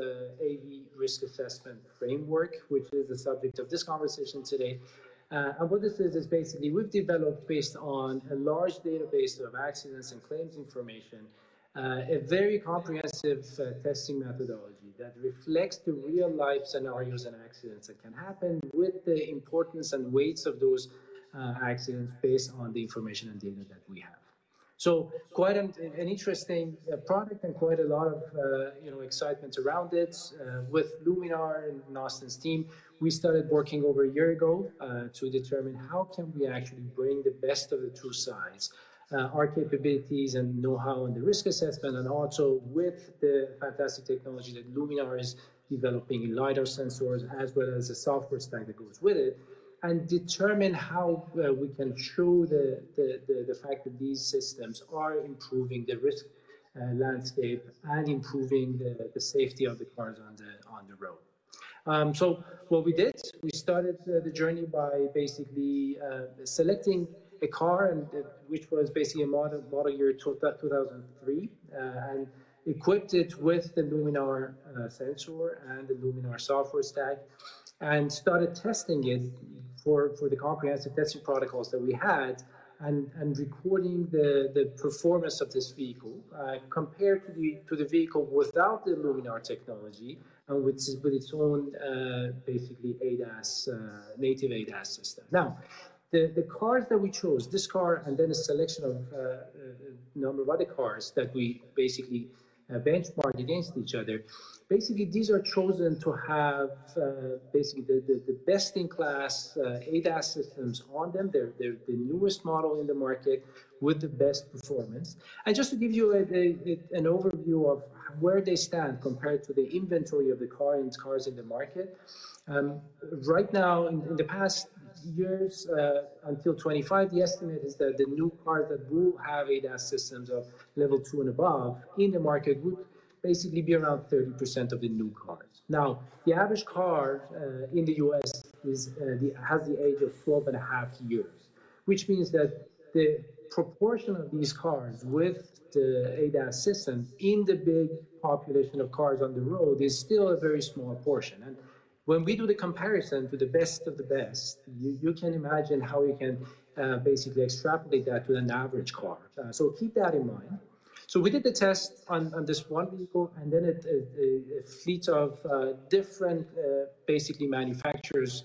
AV Risk Assessment Framework, which is the subject of this conversation today. And what this is, is basically we've developed, based on a large database of accidents and claims information, a very comprehensive testing methodology that reflects the real-life scenarios and accidents that can happen, with the importance and weights of those accidents based on the information and data that we have. So quite an interesting product and quite a lot of, you know, excitement around it. With Luminar and Austin's team, we started working over a year ago to determine how can we actually bring the best of the two sides: our capabilities and know-how in the risk assessment, and also with the fantastic technology that Luminar is developing in lidar sensors, as well as the software stack that goes with it, and determine how we can show the fact that these systems are improving the risk landscape and improving the safety of the cars on the road. So what we did, we started the journey by basically selecting a car and which was basically a model year 2023. And equipped it with the Luminar sensor and the Luminar software stack, and started testing it for the comprehensive testing protocols that we had, and recording the performance of this vehicle, compared to the vehicle without the Luminar technology and with its own basically ADAS native ADAS system. Now, the cars that we chose, this car, and then a selection of number of other cars that we basically benchmarked against each other, basically, these are chosen to have basically the best-in-class ADAS systems on them. They're the newest model in the market with the best performance. Just to give you, like, an overview of where they stand compared to the inventory of the car and cars in the market, right now, in the past years, until 2025, the estimate is that the new cars that will have ADAS systems of Level 2 and above in the market would basically be around 30% of the new cars. Now, the average car in the US has the age of 12.5 years, which means that the proportion of these cars with the ADAS system in the big population of cars on the road is still a very small portion. And when we do the comparison to the best of the best, you can imagine how we can basically extrapolate that to an average car. So keep that in mind. So we did the test on this one vehicle, and then a fleet of different, basically manufacturers'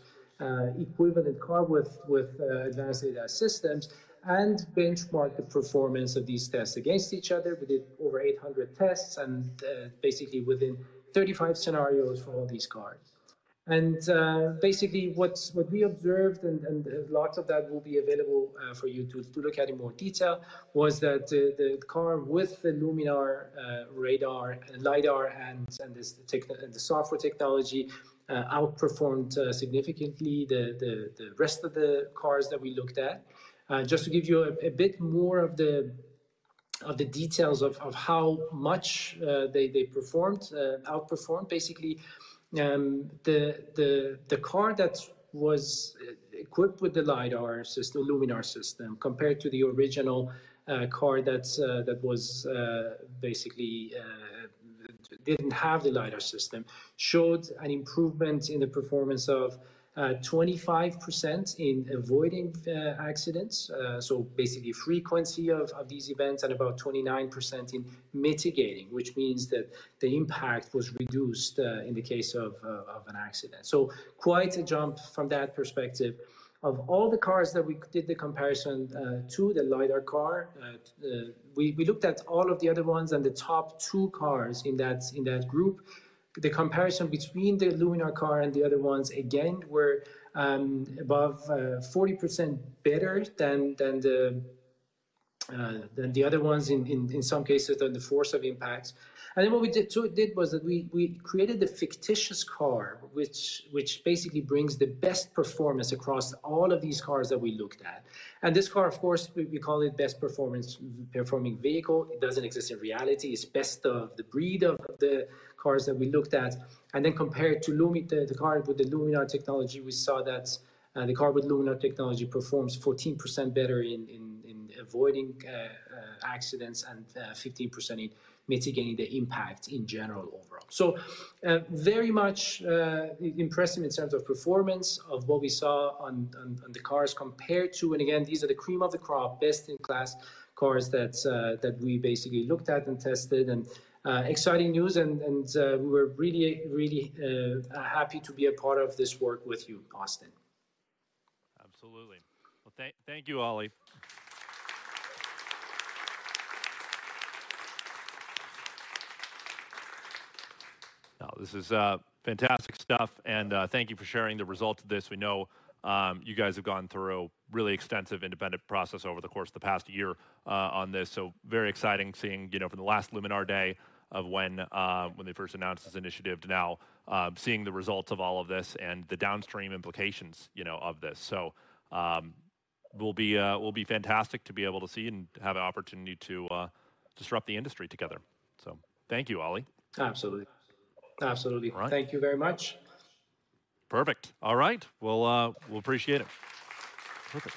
equivalent car with advanced ADAS systems, and benchmarked the performance of these tests against each other. We did over 800 tests, and basically within 35 scenarios for all these cars. And basically, what we observed, and lots of that will be available for you to look at in more detail, was that the car with the Luminar radar, LiDAR and this tech and the software technology outperformed significantly the rest of the cars that we looked at. Just to give you a bit more of the details of how much they performed, outperformed, basically, the car that was equipped with the lidar system, Luminar system, compared to the original car that was basically didn't have the lidar system, showed an improvement in the performance of 25% in avoiding accidents. So basically, frequency of these events, and about 29% in mitigating, which means that the impact was reduced in the case of an accident. So quite a jump from that perspective. Of all the cars that we did the comparison to the lidar car, we looked at all of the other ones, and the top two cars in that group, the comparison between the Luminar car and the other ones, again, were above 40% better than the other ones in some cases than the force of impacts. And then what we did was that we created the fictitious car, which basically brings the best performance across all of these cars that we looked at. And this car, of course, we call it best performance performing vehicle. It doesn't exist in reality. It's best of the breed of the cars that we looked at. Then compared to Luminar, the car with the Luminar technology, we saw that the car with Luminar technology performs 14% better in avoiding accidents, and 15% in mitigating the impact in general overall. So, very much impressive in terms of performance of what we saw on the cars compared to. And again, these are the cream of the crop, best-in-class cars that we basically looked at and tested. Exciting news, and we're really, really happy to be a part of this work with you, Austin.
Absolutely. Well, thank you, Ali. Now, this is fantastic stuff, and thank you for sharing the results of this. We know you guys have gone through a really extensive independent process over the course of the past year on this, so very exciting seeing, you know, from the last Luminar Day of when they first announced this initiative, to now, seeing the results of all of this and the downstream implications, you know, of this. So will be fantastic to be able to see and have the opportunity to disrupt the industry together. So thank you, Ali.
Absolutely. Absolutely.
All right.
Thank you very much.
Perfect. All right. Well, we appreciate it. Perfect.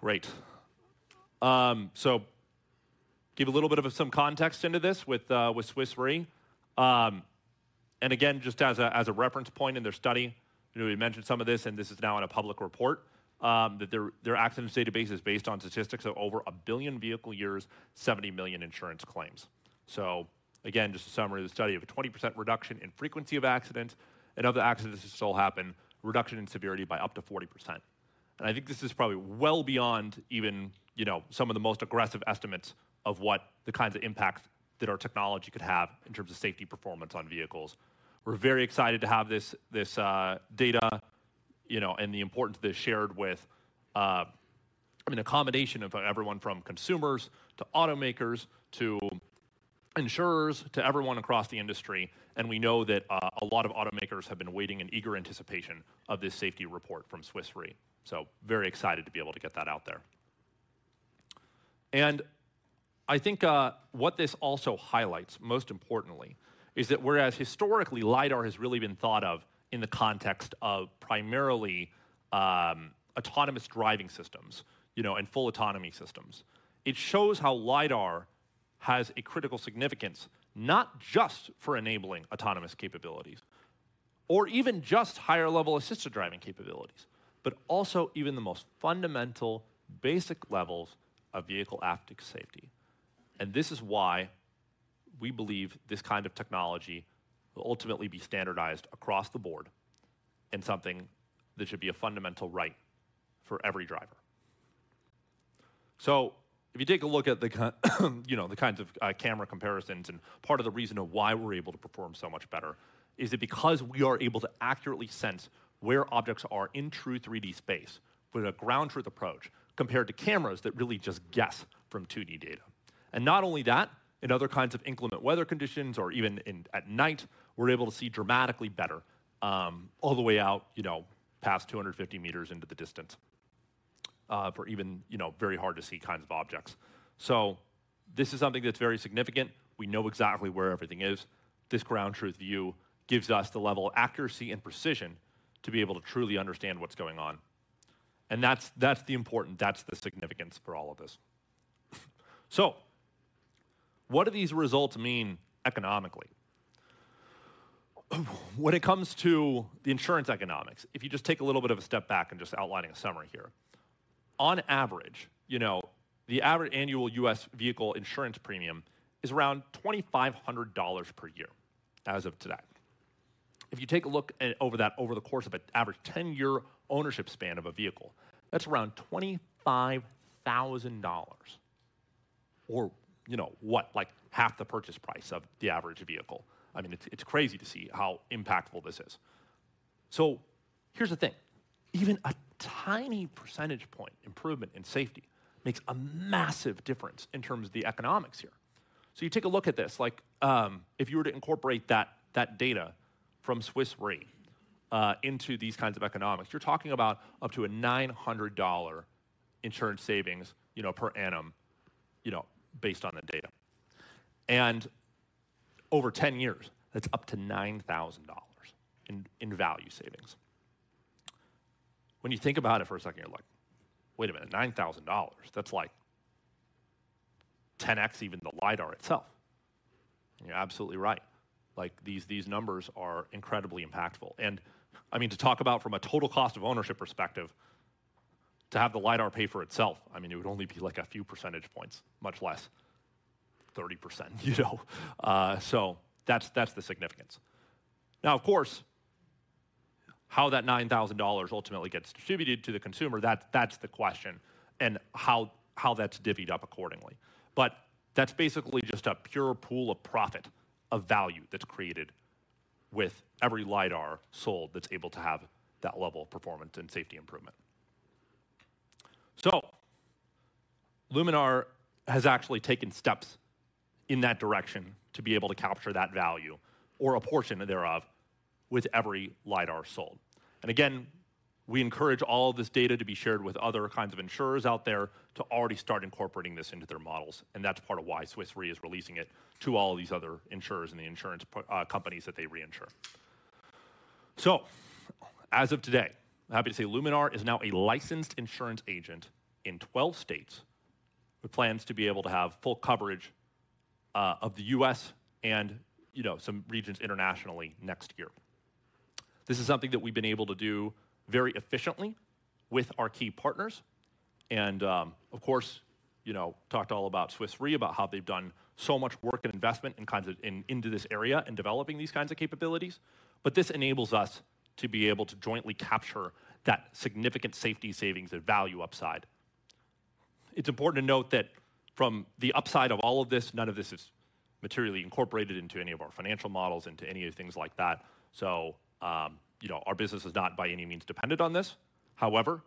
Great. So give a little bit of some context into this with, with Swiss Re. And again, just as a, as a reference point in their study, you know, we mentioned some of this, and this is now in a public report, that their, their accident database is based on statistics of over 1 billion vehicle years, 70 million insurance claims. So again, just a summary of the study, of a 20% reduction in frequency of accidents, and of the accidents that still happen, reduction in severity by up to 40%. And I think this is probably well beyond even, you know, some of the most aggressive estimates of what the kinds of impacts that our technology could have in terms of safety performance on vehicles. We're very excited to have this data, you know, and the importance of this shared with, I mean, a combination of everyone from consumers, to automakers, to insurers, to everyone across the industry, and we know that a lot of automakers have been waiting in eager anticipation of this safety report from Swiss Re. So very excited to be able to get that out there. And I think what this also highlights, most importantly, is that whereas historically, lidar has really been thought of in the context of primarily autonomous driving systems, you know, and full autonomy systems, it shows how lidar has a critical significance, not just for enabling autonomous capabilities or even just higher level assisted driving capabilities, but also even the most fundamental, basic levels of vehicle optic safety. And this is why we believe this kind of technology will ultimately be standardized across the board and something that should be a fundamental right for every driver. So if you take a look at the you know, the kinds of camera comparisons, and part of the reason of why we're able to perform so much better is that because we are able to accurately sense where objects are in true 3D space with a ground truth approach, compared to cameras that really just guess from 2D data. And not only that, in other kinds of inclement weather conditions or even in, at night, we're able to see dramatically better, all the way out, you know, past 250 meters into the distance, for even, you know, very hard to see kinds of objects. So this is something that's very significant. We know exactly where everything is. This ground truth view gives us the level of accuracy and precision to be able to truly understand what's going on, and that's, that's the important, that's the significance for all of this. So what do these results mean economically? When it comes to the insurance economics, if you just take a little bit of a step back and just outlining a summary here. On average, you know, the average annual US vehicle insurance premium is around $2,500 per year as of today. If you take a look at, over that, over the course of an average 10-year ownership span of a vehicle, that's around $25,000 or, you know what? Like, half the purchase price of the average vehicle. I mean, it's, it's crazy to see how impactful this is. So here's the thing, even a tiny percentage point improvement in safety makes a massive difference in terms of the economics here. So you take a look at this, like, if you were to incorporate that data from Swiss Re into these kinds of economics, you're talking about up to a $900 insurance savings, you know, per annum, you know, based on the data. And over 10 years, that's up to $9,000 in value savings. When you think about it for a second, you're like, "Wait a minute, $9,000? That's like 10x even the LiDAR itself." And you're absolutely right. Like, these numbers are incredibly impactful. I mean, to talk about from a total cost of ownership perspective, to have the lidar pay for itself, I mean, it would only be like a few percentage points, much less 30%, you know? So that's, that's the significance. Now, of course, how that $9,000 ultimately gets distributed to the consumer, that, that's the question, and how, how that's divvied up accordingly. But that's basically just a pure pool of profit, of value that's created with every lidar sold that's able to have that level of performance and safety improvement. So, Luminar has actually taken steps in that direction to be able to capture that value or a portion thereof with every lidar sold. Again, we encourage all of this data to be shared with other kinds of insurers out there to already start incorporating this into their models, and that's part of why Swiss Re is releasing it to all of these other insurers and the insurance companies that they reinsure. As of today, I'm happy to say Luminar is now a licensed insurance agent in 12 states, with plans to be able to have full coverage of the U.S. and, you know, some regions internationally next year. This is something that we've been able to do very efficiently with our key partners and, of course, you know, talked all about Swiss Re, about how they've done so much work and investment and kinds of in, into this area in developing these kinds of capabilities. But this enables us to be able to jointly capture that significant safety savings and value upside. It's important to note that from the upside of all of this, none of this is materially incorporated into any of our financial models, into any things like that. So, you know, our business is not by any means dependent on this. However,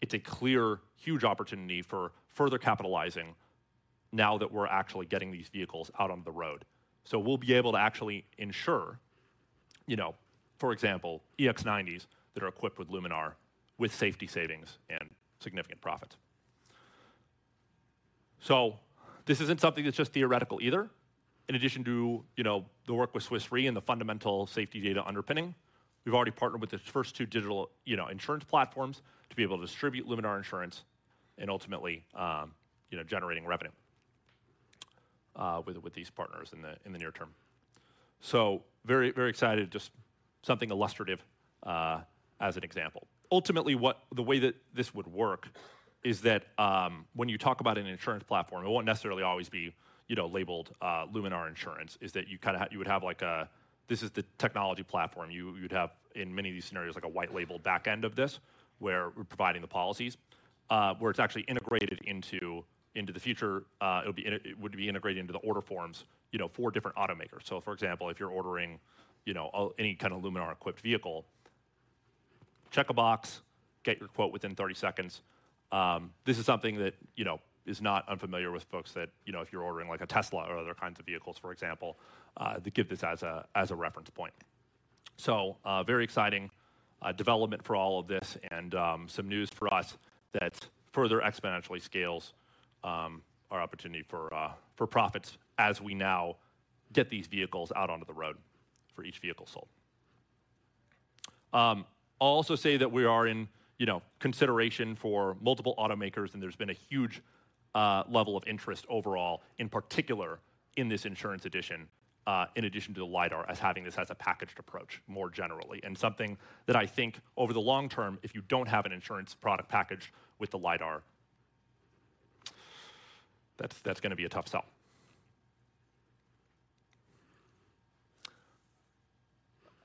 it's a clear, huge opportunity for further capitalizing now that we're actually getting these vehicles out on the road. So we'll be able to actually insure, you know, for example, EX90s that are equipped with Luminar, with safety savings and significant profit. So this isn't something that's just theoretical either. In addition to, you know, the work with Swiss Re and the fundamental safety data underpinning, we've already partnered with the first two digital, you know, insurance platforms to be able to distribute Luminar insurance and ultimately, you know, generating revenue, with, with these partners in the, in the near term. So very, very excited. Just something illustrative, as an example. Ultimately, the way that this would work is that, when you talk about an insurance platform, it won't necessarily always be, you know, labeled, Luminar Insurance, is that you kind of you would have like a, this is the technology platform. You, you'd have, in many of these scenarios, like a white label back end of this, where we're providing the policies, where it's actually integrated into, into the future. It would be integrated into the order forms, you know, for different automakers. So, for example, if you're ordering, you know, a, any kind of Luminar-equipped vehicle, check a box, get your quote within 30 seconds. This is something that, you know, is not unfamiliar with folks that, you know, if you're ordering like a Tesla or other kinds of vehicles, for example, to give this as a, as a reference point. So, very exciting development for all of this and, some news for us that further exponentially scales, our opportunity for, for profits as we now get these vehicles out onto the road for each vehicle sold. I'll also say that we are in, you know, consideration for multiple automakers, and there's been a huge level of interest overall, in particular in this insurance edition, in addition to the lidar, as having this as a packaged approach more generally. Something that I think over the long term, if you don't have an insurance product package with the lidar, that's gonna be a tough sell.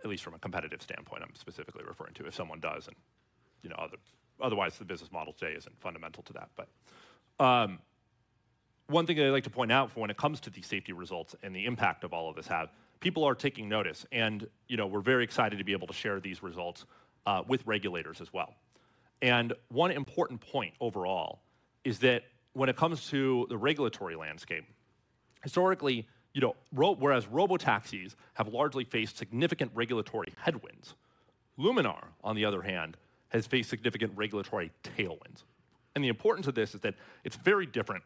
At least from a competitive standpoint, I'm specifically referring to, if someone does and, you know, otherwise, the business model today isn't fundamental to that. But one thing that I'd like to point out for when it comes to these safety results and the impact of all of this have, people are taking notice and, you know, we're very excited to be able to share these results with regulators as well. One important point overall is that when it comes to the regulatory landscape, historically, you know, whereas robotaxis have largely faced significant regulatory headwinds, Luminar, on the other hand, has faced significant regulatory tailwinds. The importance of this is that it's very different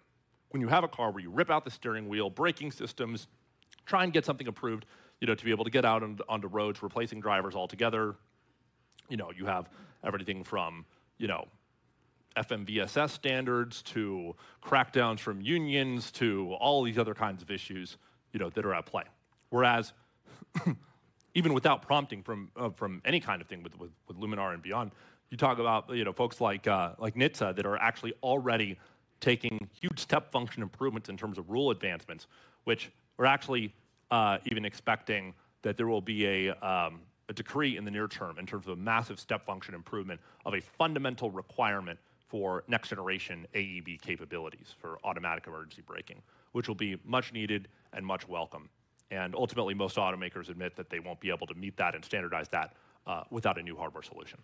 when you have a car where you rip out the steering wheel, braking systems, try and get something approved, you know, to be able to get out on, onto roads, replacing drivers altogether. You know, you have everything from, you know, FMVSS standards to crackdowns from unions, to all these other kinds of issues, you know, that are at play. Whereas, even without prompting from any kind of thing with Luminar and beyond, you talk about, you know, folks like NHTSA, that are actually already taking huge step function improvements in terms of rule advancements, which we're actually even expecting that there will be a decree in the near term in terms of a massive step function improvement of a fundamental requirement for next generation AEB capabilities, for automatic emergency braking, which will be much needed and much welcome. And ultimately, most automakers admit that they won't be able to meet that and standardize that without a new hardware solution.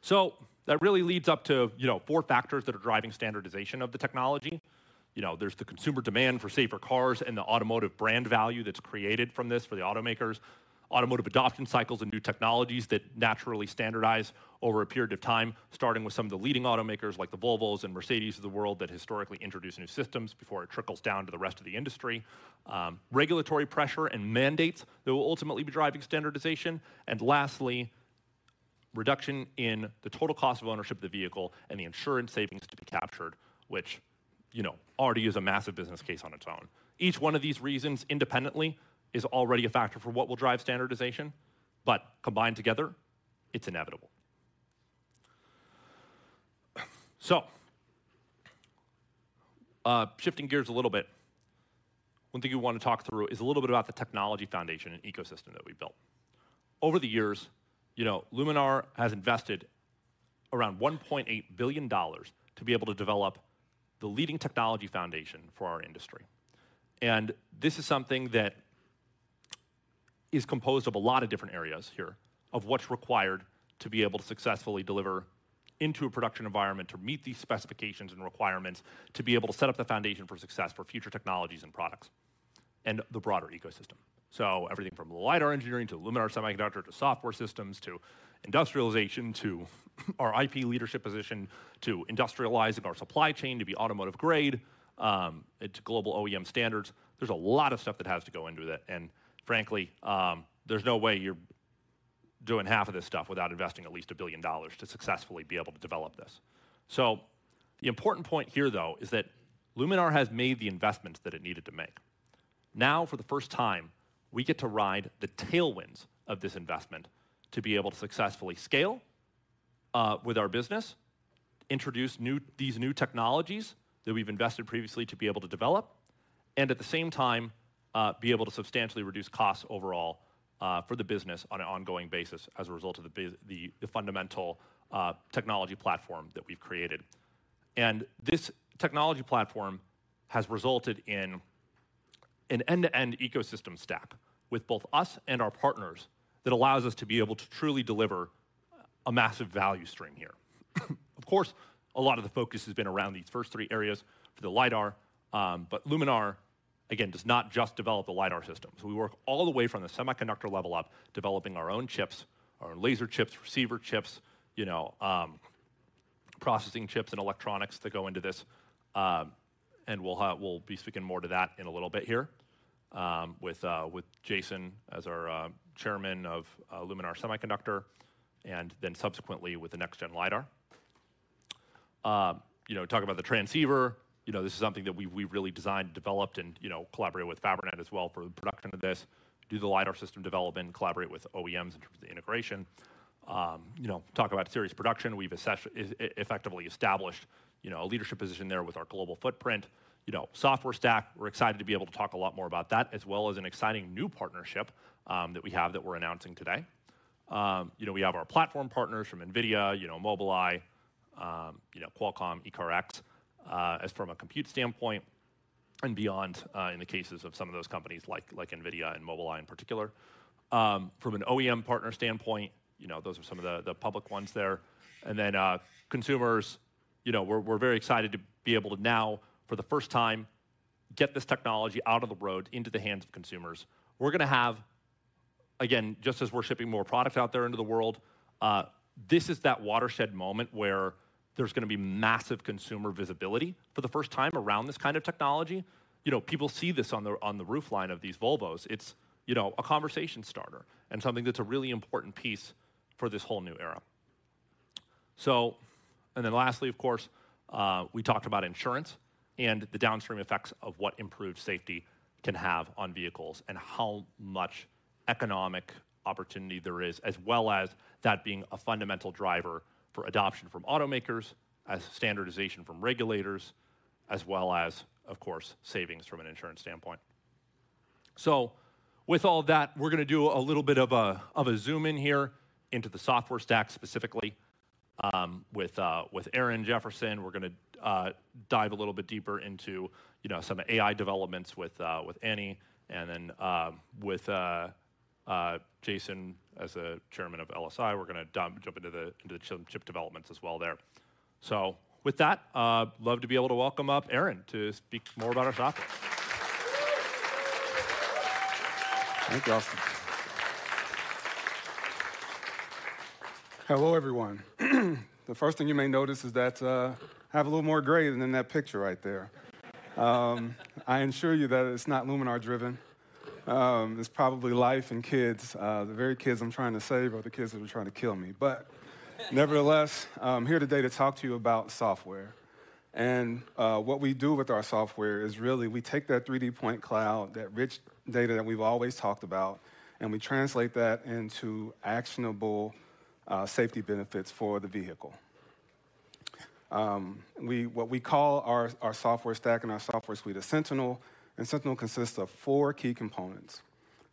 So that really leads up to, you know, four factors that are driving standardization of the technology. You know, there's the consumer demand for safer cars and the automotive brand value that's created from this for the automakers. Automotive adoption cycles and new technologies that naturally standardize over a period of time, starting with some of the leading automakers, like the Volvos and Mercedes of the world, that historically introduce new systems before it trickles down to the rest of the industry. Regulatory pressure and mandates that will ultimately be driving standardization. And lastly, reduction in the total cost of ownership of the vehicle and the insurance savings to be captured, which, you know, already is a massive business case on its own. Each one of these reasons independently is already a factor for what will drive standardization, but combined together, it's inevitable. So, shifting gears a little bit, one thing we want to talk through is a little bit about the technology foundation and ecosystem that we built. Over the years, you know, Luminar has invested-... around $1.8 billion to be able to develop the leading technology foundation for our industry. This is something that is composed of a lot of different areas here, of what's required to be able to successfully deliver into a production environment, to meet these specifications and requirements, to be able to set up the foundation for success for future technologies and products, and the broader ecosystem. Everything from the lidar engineering, to Luminar Semiconductor, to software systems, to industrialization, to our IP leadership position, to industrializing our supply chain to be automotive grade, to global OEM standards. There's a lot of stuff that has to go into that, and frankly, there's no way you're doing half of this stuff without investing at least $1 billion to successfully be able to develop this. So the important point here, though, is that Luminar has made the investments that it needed to make. Now, for the first time, we get to ride the tailwinds of this investment to be able to successfully scale with our business, introduce these new technologies that we've invested previously to be able to develop, and at the same time, be able to substantially reduce costs overall for the business on an ongoing basis as a result of the fundamental technology platform that we've created. And this technology platform has resulted in an end-to-end ecosystem stack with both us and our partners that allows us to be able to truly deliver a massive value stream here. Of course, a lot of the focus has been around these first three areas for the lidar, but Luminar, again, does not just develop the lidar systems. We work all the way from the semiconductor level up, developing our own chips, our laser chips, receiver chips, you know, processing chips and electronics that go into this. And we'll have... We'll be speaking more to that in a little bit here, with, with Jason as our, chairman of, Luminar Semiconductor, and then subsequently with the next gen lidar. You know, talk about the transceiver. You know, this is something that we've, we've really designed, developed and, you know, collaborated with Fabrinet as well for the production of this. Do the lidar system development, collaborate with OEMs in terms of the integration. You know, talk about series production. We've effectively established, you know, a leadership position there with our global footprint. You know, software stack, we're excited to be able to talk a lot more about that, as well as an exciting new partnership that we have that we're announcing today. You know, we have our platform partners from NVIDIA, you know, Mobileye, you know, Qualcomm, eCarX, as from a compute standpoint and beyond, in the cases of some of those companies like, like NVIDIA and Mobileye in particular. From an OEM partner standpoint, you know, those are some of the, the public ones there. And then, consumers, you know, we're, we're very excited to be able to now, for the first time, get this technology out of the road into the hands of consumers. We're gonna have, again, just as we're shipping more product out there into the world, this is that watershed moment where there's gonna be massive consumer visibility for the first time around this kind of technology. You know, people see this on the roofline of these Volvos. It's, you know, a conversation starter and something that's a really important piece for this whole new era. So, and then lastly, of course, we talked about insurance and the downstream effects of what improved safety can have on vehicles, and how much economic opportunity there is, as well as that being a fundamental driver for adoption from automakers, as standardization from regulators, as well as, of course, savings from an insurance standpoint. So with all that, we're gonna do a little bit of a zoom in here into the software stack specifically, with Aaron Jefferson. We're gonna dive a little bit deeper into, you know, some AI developments with Annie. And then, with Jason as a chairman of LSI, we're gonna jump into the chip developments as well there. So with that, love to be able to welcome up Aaron to speak more about our software.
Thank you, Austin. Hello, everyone. The first thing you may notice is that I have a little more gray than in that picture right there. I assure you that it's not Luminar driven. It's probably life and kids, the very kids I'm trying to save are the kids that are trying to kill me. But nevertheless, I'm here today to talk to you about software. What we do with our software is really we take that 3D point cloud, that rich data that we've always talked about, and we translate that into actionable safety benefits for the vehicle. What we call our software stack and our software suite is Sentinel, and Sentinel consists of four key components: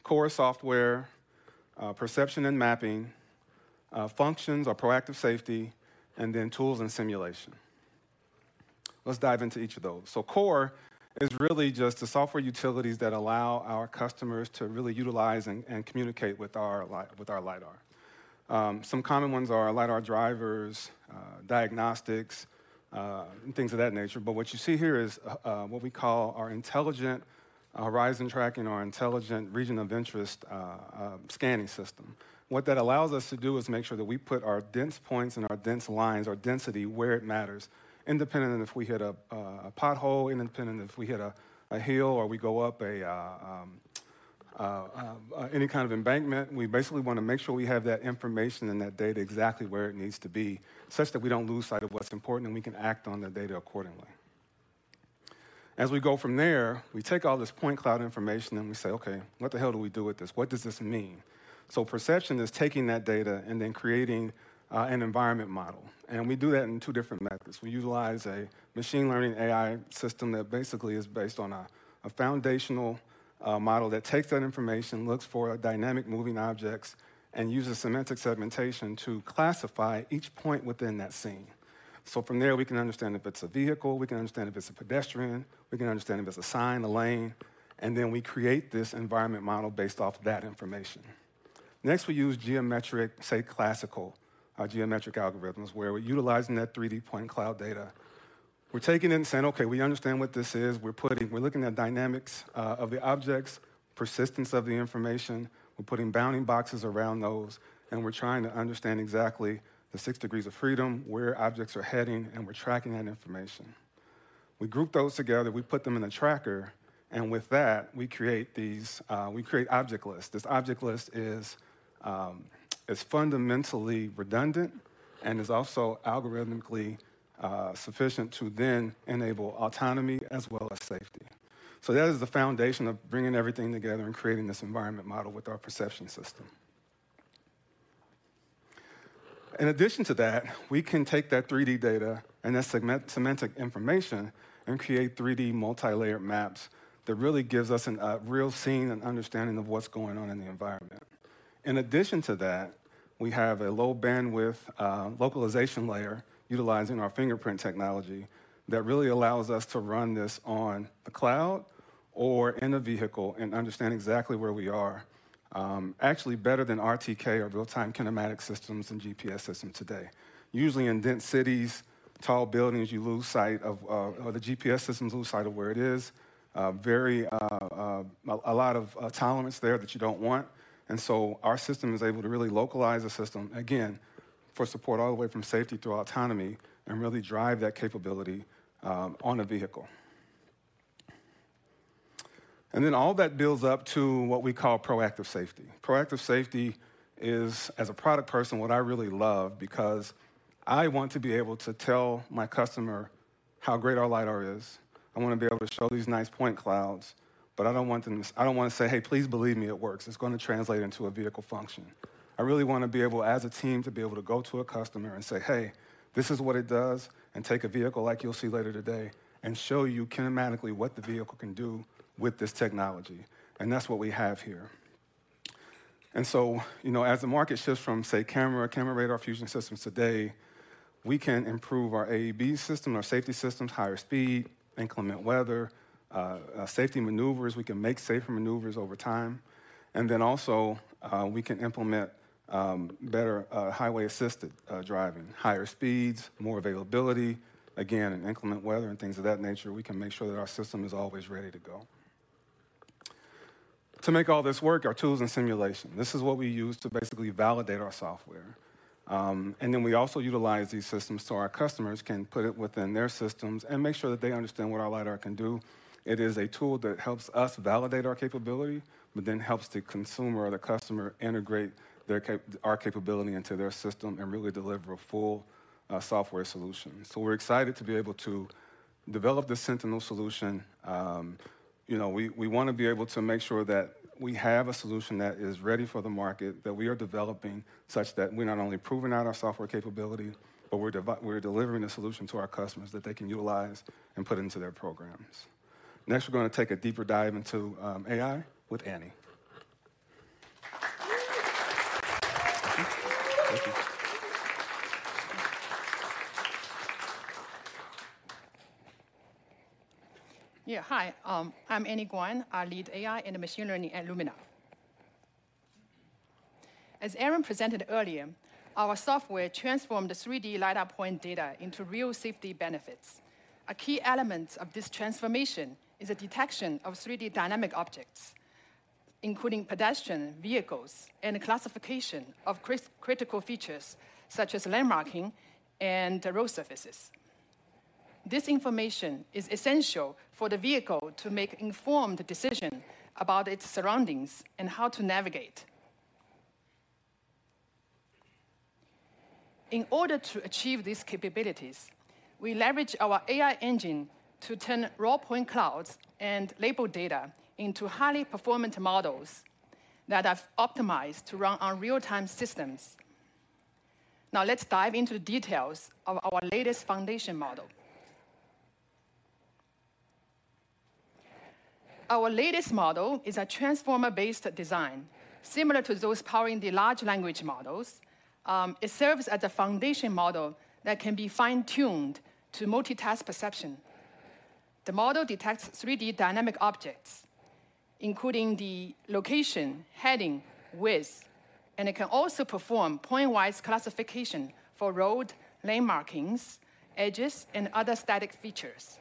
core software, perception and mapping, proactive safety functions, and then tools and simulation. Let's dive into each of those. So core is really just the software utilities that allow our customers to really utilize and communicate with our LiDAR. Some common ones are LiDAR drivers, diagnostics, and things of that nature. But what you see here is what we call our intelligent horizon tracking or intelligent region of interest scanning system. What that allows us to do is make sure that we put our dense points and our dense lines, our density, where it matters, independent if we hit a pothole, independent if we hit a hill, or we go up any kind of embankment. We basically wanna make sure we have that information and that data exactly where it needs to be, such that we don't lose sight of what's important, and we can act on that data accordingly. As we go from there, we take all this point cloud information, and we say: Okay, what the hell do we do with this? What does this mean? Perception is taking that data and then creating an environment model, and we do that in two different methods. We utilize a machine learning AI system that basically is based on a foundational model that takes that information, looks for dynamic moving objects, and uses semantic segmentation to classify each point within that scene. So from there, we can understand if it's a vehicle, we can understand if it's a pedestrian, we can understand if it's a sign, a lane, and then we create this environment model based off that information. Next, we use geometric, say, classical, geometric algorithms, where we're utilizing that 3D point cloud data. We're taking it and saying, "Okay, we understand what this is." We're looking at dynamics of the objects, persistence of the information. We're putting bounding boxes around those, and we're trying to understand exactly the six degrees of freedom, where objects are heading, and we're tracking that information. We group those together, we put them in a tracker, and with that, we create these, we create object lists. This object list is fundamentally redundant and is also algorithmically sufficient to then enable autonomy as well as safety. So that is the foundation of bringing everything together and creating this environment model with our perception system. In addition to that, we can take that 3D data and that semantic information and create 3D multi-layer maps that really gives us a real scene and understanding of what's going on in the environment. In addition to that, we have a low bandwidth localization layer utilizing our fingerprint technology that really allows us to run this on the cloud or in a vehicle and understand exactly where we are, actually better than RTK or real-time kinematic systems and GPS systems today. Usually in dense cities, tall buildings, you lose sight of or the GPS systems lose sight of where it is. Very, a lot of tolerance there that you don't want, and so our system is able to really localize the system, again, for support all the way from safety to autonomy and really drive that capability, on a vehicle. And then all that builds up to what we call proactive safety. Proactive safety is, as a product person, what I really love because I want to be able to tell my customer how great our lidar is. I wanna be able to show these nice point clouds, but I don't want them to—I don't wanna say, "Hey, please believe me, it works." It's gonna translate into a vehicle function. I really wanna be able, as a team, to be able to go to a customer and say, "Hey, this is what it does," and take a vehicle, like you'll see later today, and show you kinematically what the vehicle can do with this technology, and that's what we have here. So, you know, as the market shifts from, say, camera, camera radar fusion systems today, we can improve our AEB system, our safety systems, higher speed, inclement weather, safety maneuvers. We can make safer maneuvers over time. Then also, we can implement, better, highway-assisted, driving, higher speeds, more availability. Again, in inclement weather and things of that nature, we can make sure that our system is always ready to go. To make all this work, our tools and simulation. This is what we use to basically validate our software. And then we also utilize these systems so our customers can put it within their systems and make sure that they understand what our lidar can do. It is a tool that helps us validate our capability, but then helps the consumer or the customer integrate our capability into their system and really deliver a full software solution. So we're excited to be able to develop this Sentinel solution. You know, we wanna be able to make sure that we have a solution that is ready for the market, that we are developing, such that we're not only proving out our software capability, but we're delivering a solution to our customers that they can utilize and put into their programs. Next, we're gonna take a deeper dive into AI with Annie. Thank you.
Yeah, hi. I'm Annie Guan. I lead AI and machine learning at Luminar. As Aaron presented earlier, our software transformed the 3D lidar point data into real safety benefits. A key element of this transformation is the detection of 3D dynamic objects, including pedestrian, vehicles, and the classification of critical features such as lane marking and the road surfaces. This information is essential for the vehicle to make informed decision about its surroundings and how to navigate. In order to achieve these capabilities, we leverage our AI engine to turn raw point clouds and label data into highly performant models that are optimized to run on real-time systems. Now, let's dive into details of our latest foundation model. Our latest model is a transformer-based design, similar to those powering the large language models. It serves as a foundation model that can be fine-tuned to multitask perception. The model detects 3D dynamic objects, including the location, heading, width, and it can also perform pointwise classification for road lane markings, edges, and other static features.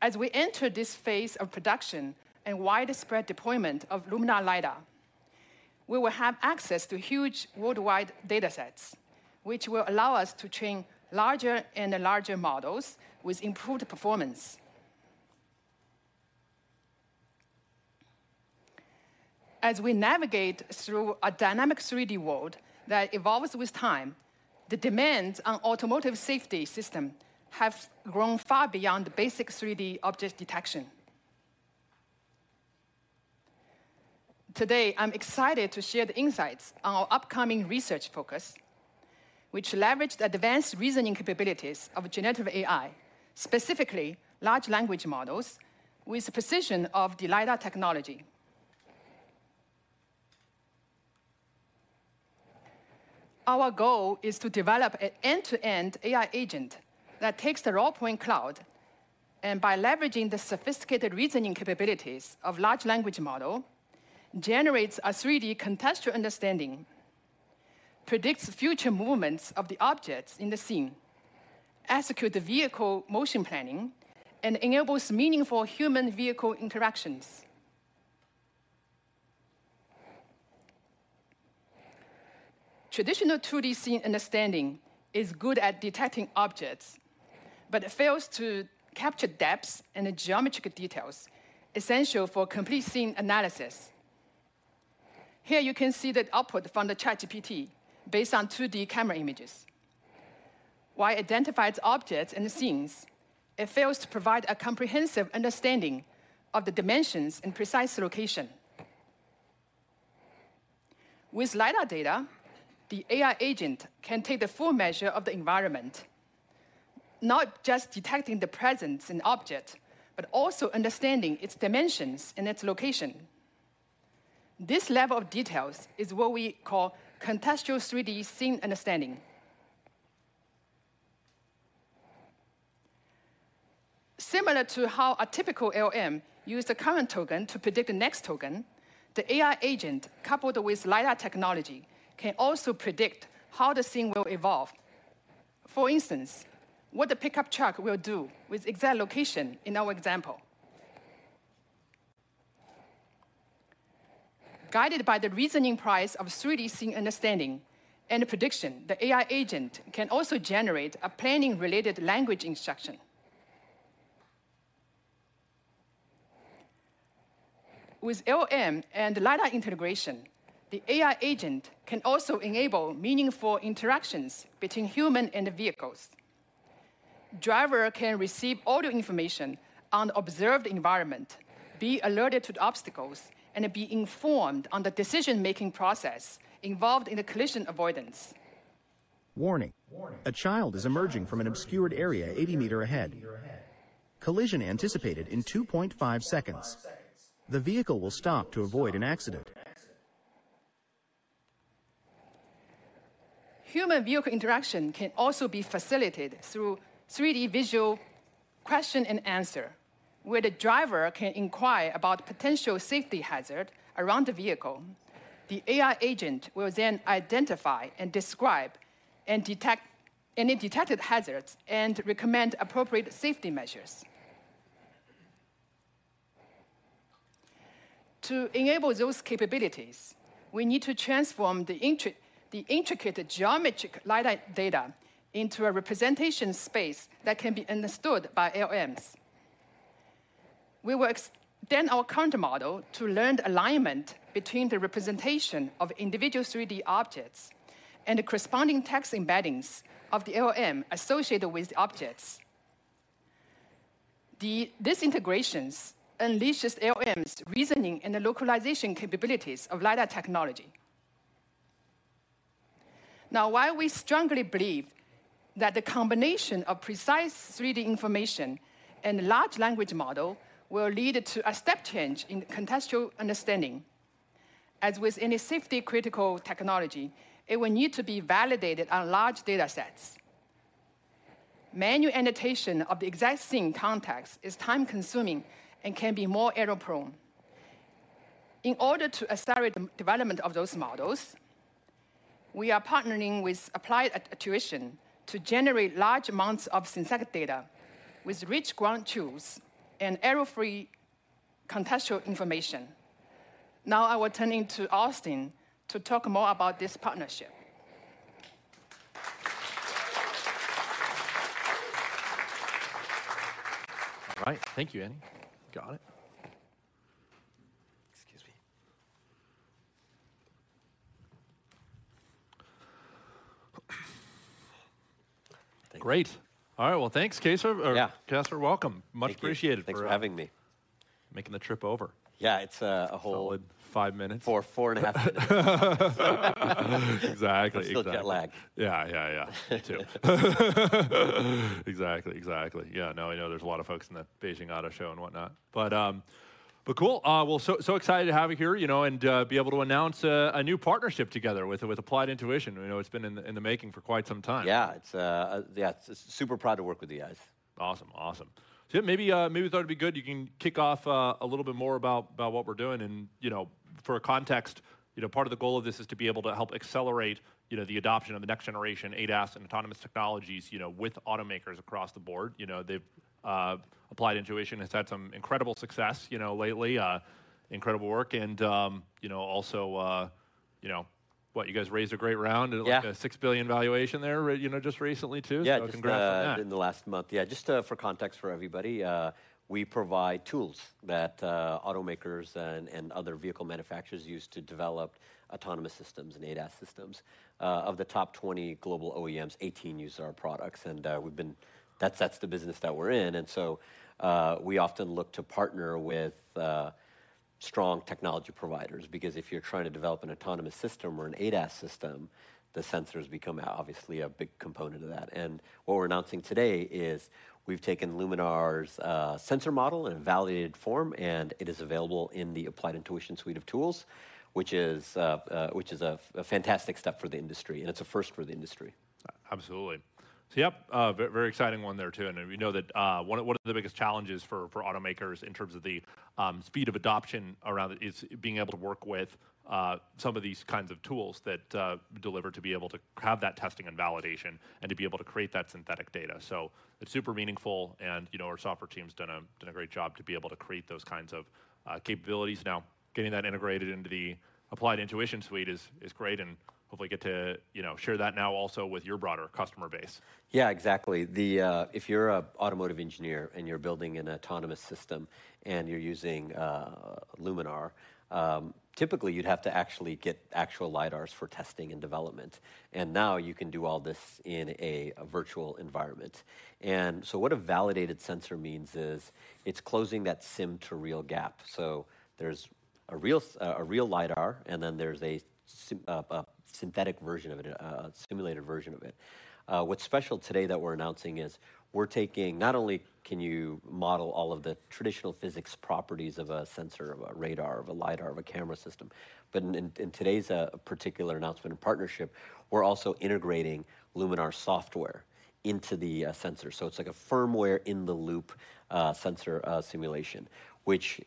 As we enter this phase of production and widespread deployment of Luminar lidar, we will have access to huge worldwide datasets, which will allow us to train larger and larger models with improved performance. As we navigate through a dynamic 3D world that evolves with time, the demands on automotive safety system have grown far beyond the basic 3D object detection. Today, I'm excited to share the insights on our upcoming research focus, which leverage the advanced reasoning capabilities of generative AI, specifically large language models, with the precision of the lidar technology... Our goal is to develop an end-to-end AI agent that takes the raw point cloud, and by leveraging the sophisticated reasoning capabilities of large language model, generates a 3D contextual understanding, predicts future movements of the objects in the scene, execute the vehicle motion planning, and enables meaningful human-vehicle interactions. Traditional 2D scene understanding is good at detecting objects, but it fails to capture depths and the geometric details essential for complete scene analysis. Here you can see the output from the ChatGPT based on 2D camera images. While it identifies objects in the scenes, it fails to provide a comprehensive understanding of the dimensions and precise location. With LiDAR data, the AI agent can take the full measure of the environment, not just detecting the presence and object, but also understanding its dimensions and its location. This level of details is what we call contextual 3D scene understanding. Similar to how a typical LM uses the current token to predict the next token, the AI agent, coupled with LiDAR technology, can also predict how the scene will evolve. For instance, what the pickup truck will do with exact location in our example. Guided by the reasoning process of 3D scene understanding and the prediction, the AI agent can also generate a planning-related language instruction. With LM and LiDAR integration, the AI agent can also enable meaningful interactions between human and the vehicles. Driver can receive audio information on observed environment, be alerted to the obstacles, and be informed on the decision-making process involved in the collision avoidance.
Warning, a child is emerging from an obscured area 80 meters ahead. Collision anticipated in 2.5 seconds. The vehicle will stop to avoid an accident.
Human-vehicle interaction can also be facilitated through 3D visual question and answer, where the driver can inquire about potential safety hazard around the vehicle. The AI agent will then identify and describe, and detect any detected hazards and recommend appropriate safety measures. To enable those capabilities, we need to transform the intricate geometric LiDAR data into a representation space that can be understood by LLMs. We will extend our current model to learn the alignment between the representation of individual 3D objects and the corresponding text embeddings of the LLM associated with the objects. This integration unleashes LLMs reasoning and the localization capabilities of LiDAR technology. Now, while we strongly believe that the combination of precise 3D information and large language model will lead to a step change in contextual understanding, as with any safety-critical technology, it will need to be validated on large datasets. Manual annotation of the exact scene context is time-consuming and can be more error-prone. In order to accelerate the development of those models, we are partnering with Applied Intuition to generate large amounts of synthetic data with rich ground-truth tools and error-free contextual information. Now, I will turn it to Austin to talk more about this partnership.
All right. Thank you, Annie. Got it.
Excuse me. Thank you.
Great! All right, well, thanks, Qasar-
Yeah. Qasar, welcome. Thank you.
Much appreciated for-
Thanks for having me....
making the trip over.
Yeah, it's a whole-
Solid five minutes.
four, 4.5.
Exactly, exactly.
I'm still jet-lagged.
Yeah, yeah, yeah. Me too. Exactly, exactly. Yeah. No, I know there's a lot of folks in the Beijing Auto Show and whatnot, but, but cool. We're so, so excited to have you here, you know, and, be able to announce, a new partnership together with, with Applied Intuition. You know, it's been in the, in the making for quite some time.
Yeah. It's... Yeah, super proud to work with you guys.
Awesome, awesome. So yeah, maybe, maybe thought it'd be good, you can kick off, a little bit more about, about what we're doing. And, you know, for a context, you know, part of the goal of this is to be able to help accelerate, you know, the adoption of the next generation ADAS and autonomous technologies, you know, with automakers across the board. You know, they've... Applied Intuition has had some incredible success, you know, lately, incredible work and, you know, also, you know, what? You guys raised a great round-
Yeah...
at, like, a $6 billion valuation there, you know, just recently, too.
Yeah, just,
Congrats on that.
In the last month. Yeah, just, for context for everybody, we provide tools that, automakers and, and other vehicle manufacturers use to develop autonomous systems and ADAS systems. Of the top 20 global OEMs, 18 use our products. That's, that's the business that we're in, and so, we often look to partner with, strong technology providers, because if you're trying to develop an autonomous system or an ADAS system, the sensors become obviously a big component of that. And what we're announcing today is we've taken Luminar's, sensor model in a validated form, and it is available in the Applied Intuition suite of tools, which is, which is a, a fantastic step for the industry, and it's a first for the industry.
Absolutely. So yep, very exciting one there, too. And then we know that one of the biggest challenges for automakers in terms of the speed of adoption around it is being able to work with some of these kinds of tools that deliver, to be able to have that testing and validation and to be able to create that synthetic data. So it's super meaningful, and you know, our software team's done a great job to be able to create those kinds of capabilities. Now, getting that integrated into the Applied Intuition suite is great, and hopefully get to, you know, share that now also with your broader customer base.
Yeah, exactly. If you're an automotive engineer, and you're building an autonomous system, and you're using Luminar, typically you'd have to actually get actual lidars for testing and development, and now you can do all this in a virtual environment. And so what a validated sensor means is it's closing that sim-to-real gap. So there's a real lidar, and then there's a synthetic version of it, a simulated version of it. What's special today that we're announcing is we're taking, not only can you model all of the traditional physics properties of a sensor, of a radar, of a lidar, of a camera system, but in today's particular announcement and partnership, we're also integrating Luminar software into the sensor. So it's like a firmware-in-the-loop sensor simulation. Which is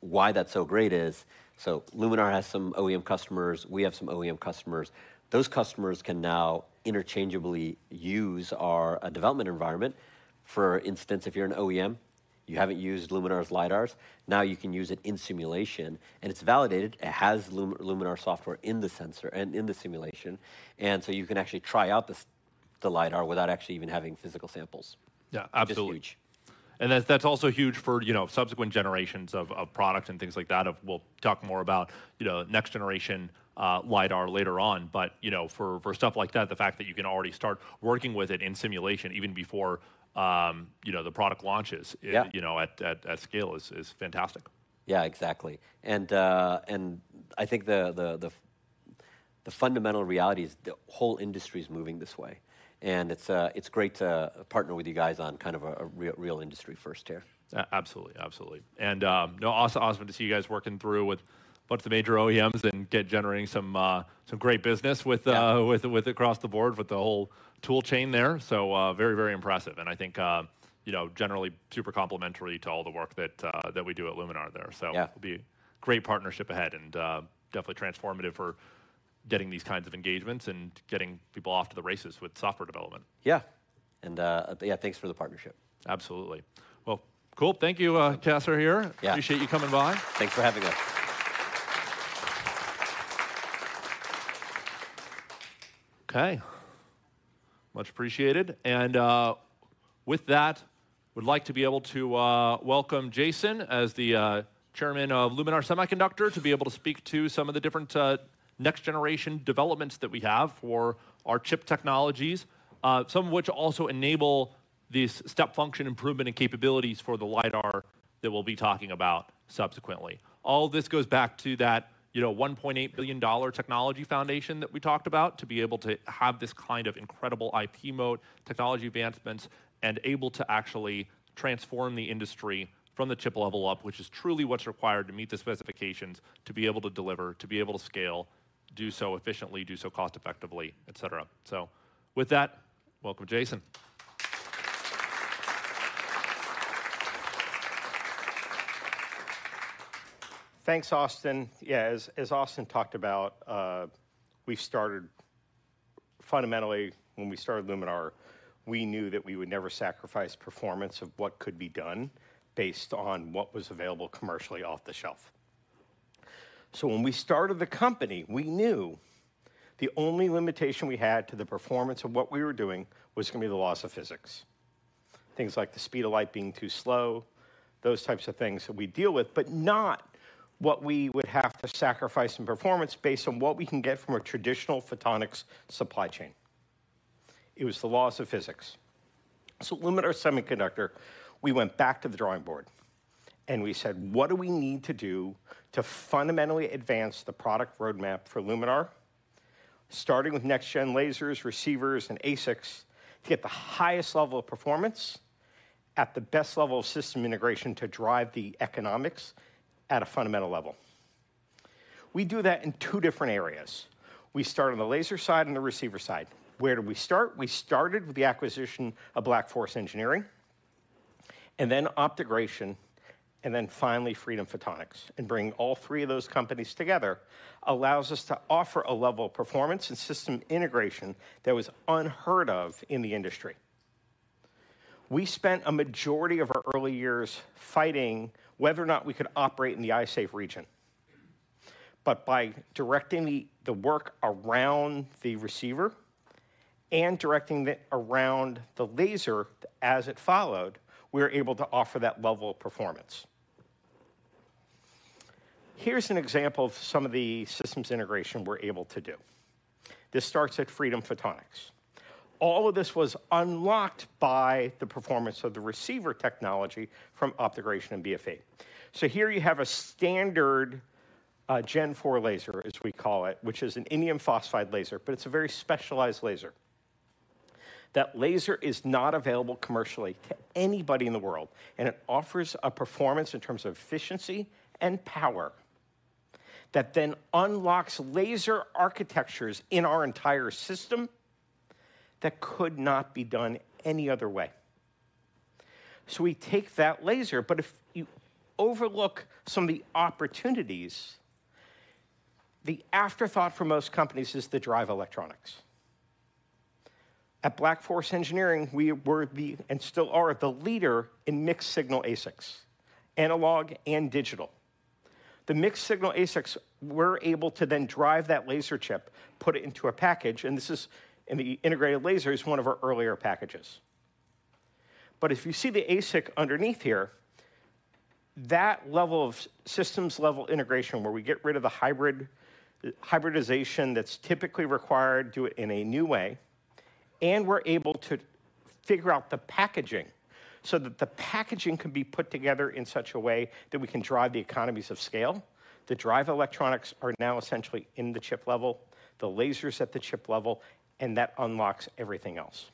why that's so great is, Luminar has some OEM customers, we have some OEM customers. Those customers can now interchangeably use our development environment. For instance, if you're an OEM, you haven't used Luminar's LiDARs, now you can use it in simulation, and it's validated. It has Luminar software in the sensor and in the simulation, and so you can actually try out the LiDAR without actually even having physical samples.
Yeah, absolutely.
Which is huge.
That, that's also huge for, you know, subsequent generations of products and things like that. We'll talk more about, you know, next generation lidar later on. But, you know, for stuff like that, the fact that you can already start working with it in simulation even before, you know, the product launches-
Yeah...
you know, at that scale is fantastic.
Yeah, exactly. And I think the fundamental reality is the whole industry's moving this way, and it's great to partner with you guys on kind of a real, real industry first here.
Absolutely, absolutely. And, also awesome to see you guys working through with a bunch of the major OEMs and get generating some, some great business with,
Yeah...
with across the board, with the whole tool chain there. So, very, very impressive, and I think, you know, generally super complementary to all the work that we do at Luminar there.
Yeah.
It'll be great partnership ahead and, definitely transformative for getting these kinds of engagements and getting people off to the races with software development.
Yeah. Yeah, thanks for the partnership.
Absolutely. Well, cool. Thank you, Qasar, here.
Yeah.
Appreciate you coming by.
Thanks for having us.
Okay. Much appreciated. With that, would like to be able to welcome Jason as the chairman of Luminar Semiconductor, to be able to speak to some of the different next-generation developments that we have for our chip technologies. Some of which also enable this step function improvement and capabilities for the lidar that we'll be talking about subsequently. All this goes back to that, you know, $1.8 billion technology foundation that we talked about, to be able to have this kind of incredible IP mode, technology advancements, and able to actually transform the industry from the chip level up, which is truly what's required to meet the specifications, to be able to deliver, to be able to scale, do so efficiently, do so cost effectively, et cetera. So with that, welcome, Jason.
Thanks, Austin. Yeah, as Austin talked about, we've started. Fundamentally, when we started Luminar, we knew that we would never sacrifice performance of what could be done based on what was available commercially off the shelf. So when we started the company, we knew the only limitation we had to the performance of what we were doing was gonna be the laws of physics. Things like the speed of light being too slow, those types of things that we deal with, but not what we would have to sacrifice in performance based on what we can get from a traditional photonics supply chain. It was the laws of physics. So at Luminar Semiconductor, we went back to the drawing board, and we said: What do we need to do to fundamentally advance the product roadmap for Luminar, starting with next-gen lasers, receivers, and ASICs, to get the highest level of performance at the best level of system integration to drive the economics at a fundamental level? We do that in two different areas. We start on the laser side and the receiver side. Where do we start? We started with the acquisition of Black Forest Engineering, and then Optogama, and then finally Freedom Photonics. Bringing all three of those companies together allows us to offer a level of performance and system integration that was unheard of in the industry. We spent a majority of our early years fighting whether or not we could operate in the eye-safe region. But by directing the work around the receiver and directing it around the laser as it followed, we were able to offer that level of performance. Here's an example of some of the systems integration we're able to do. This starts at Freedom Photonics. All of this was unlocked by the performance of the receiver technology from Optogama and BFE. So here you have a standard Gen 4 laser, as we call it, which is an indium phosphide laser, but it's a very specialized laser. That laser is not available commercially to anybody in the world, and it offers a performance in terms of efficiency and power that then unlocks laser architectures in our entire system that could not be done any other way. So we take that laser, but if you overlook some of the opportunities, the afterthought for most companies is the drive electronics. At Black Force Engineering, we were the, and still are, the leader in mixed signal ASICs, analog and digital. The mixed signal ASICs we're able to then drive that laser chip, put it into a package, and this is... in the integrated laser, is one of our earlier packages. But if you see the ASIC underneath here, that level of systems-level integration, where we get rid of the hybrid, hybridization that's typically required, do it in a new way, and we're able to figure out the packaging so that the packaging can be put together in such a way that we can drive the economies of scale. The drive electronics are now essentially in the chip level, the laser's at the chip level, and that unlocks everything else.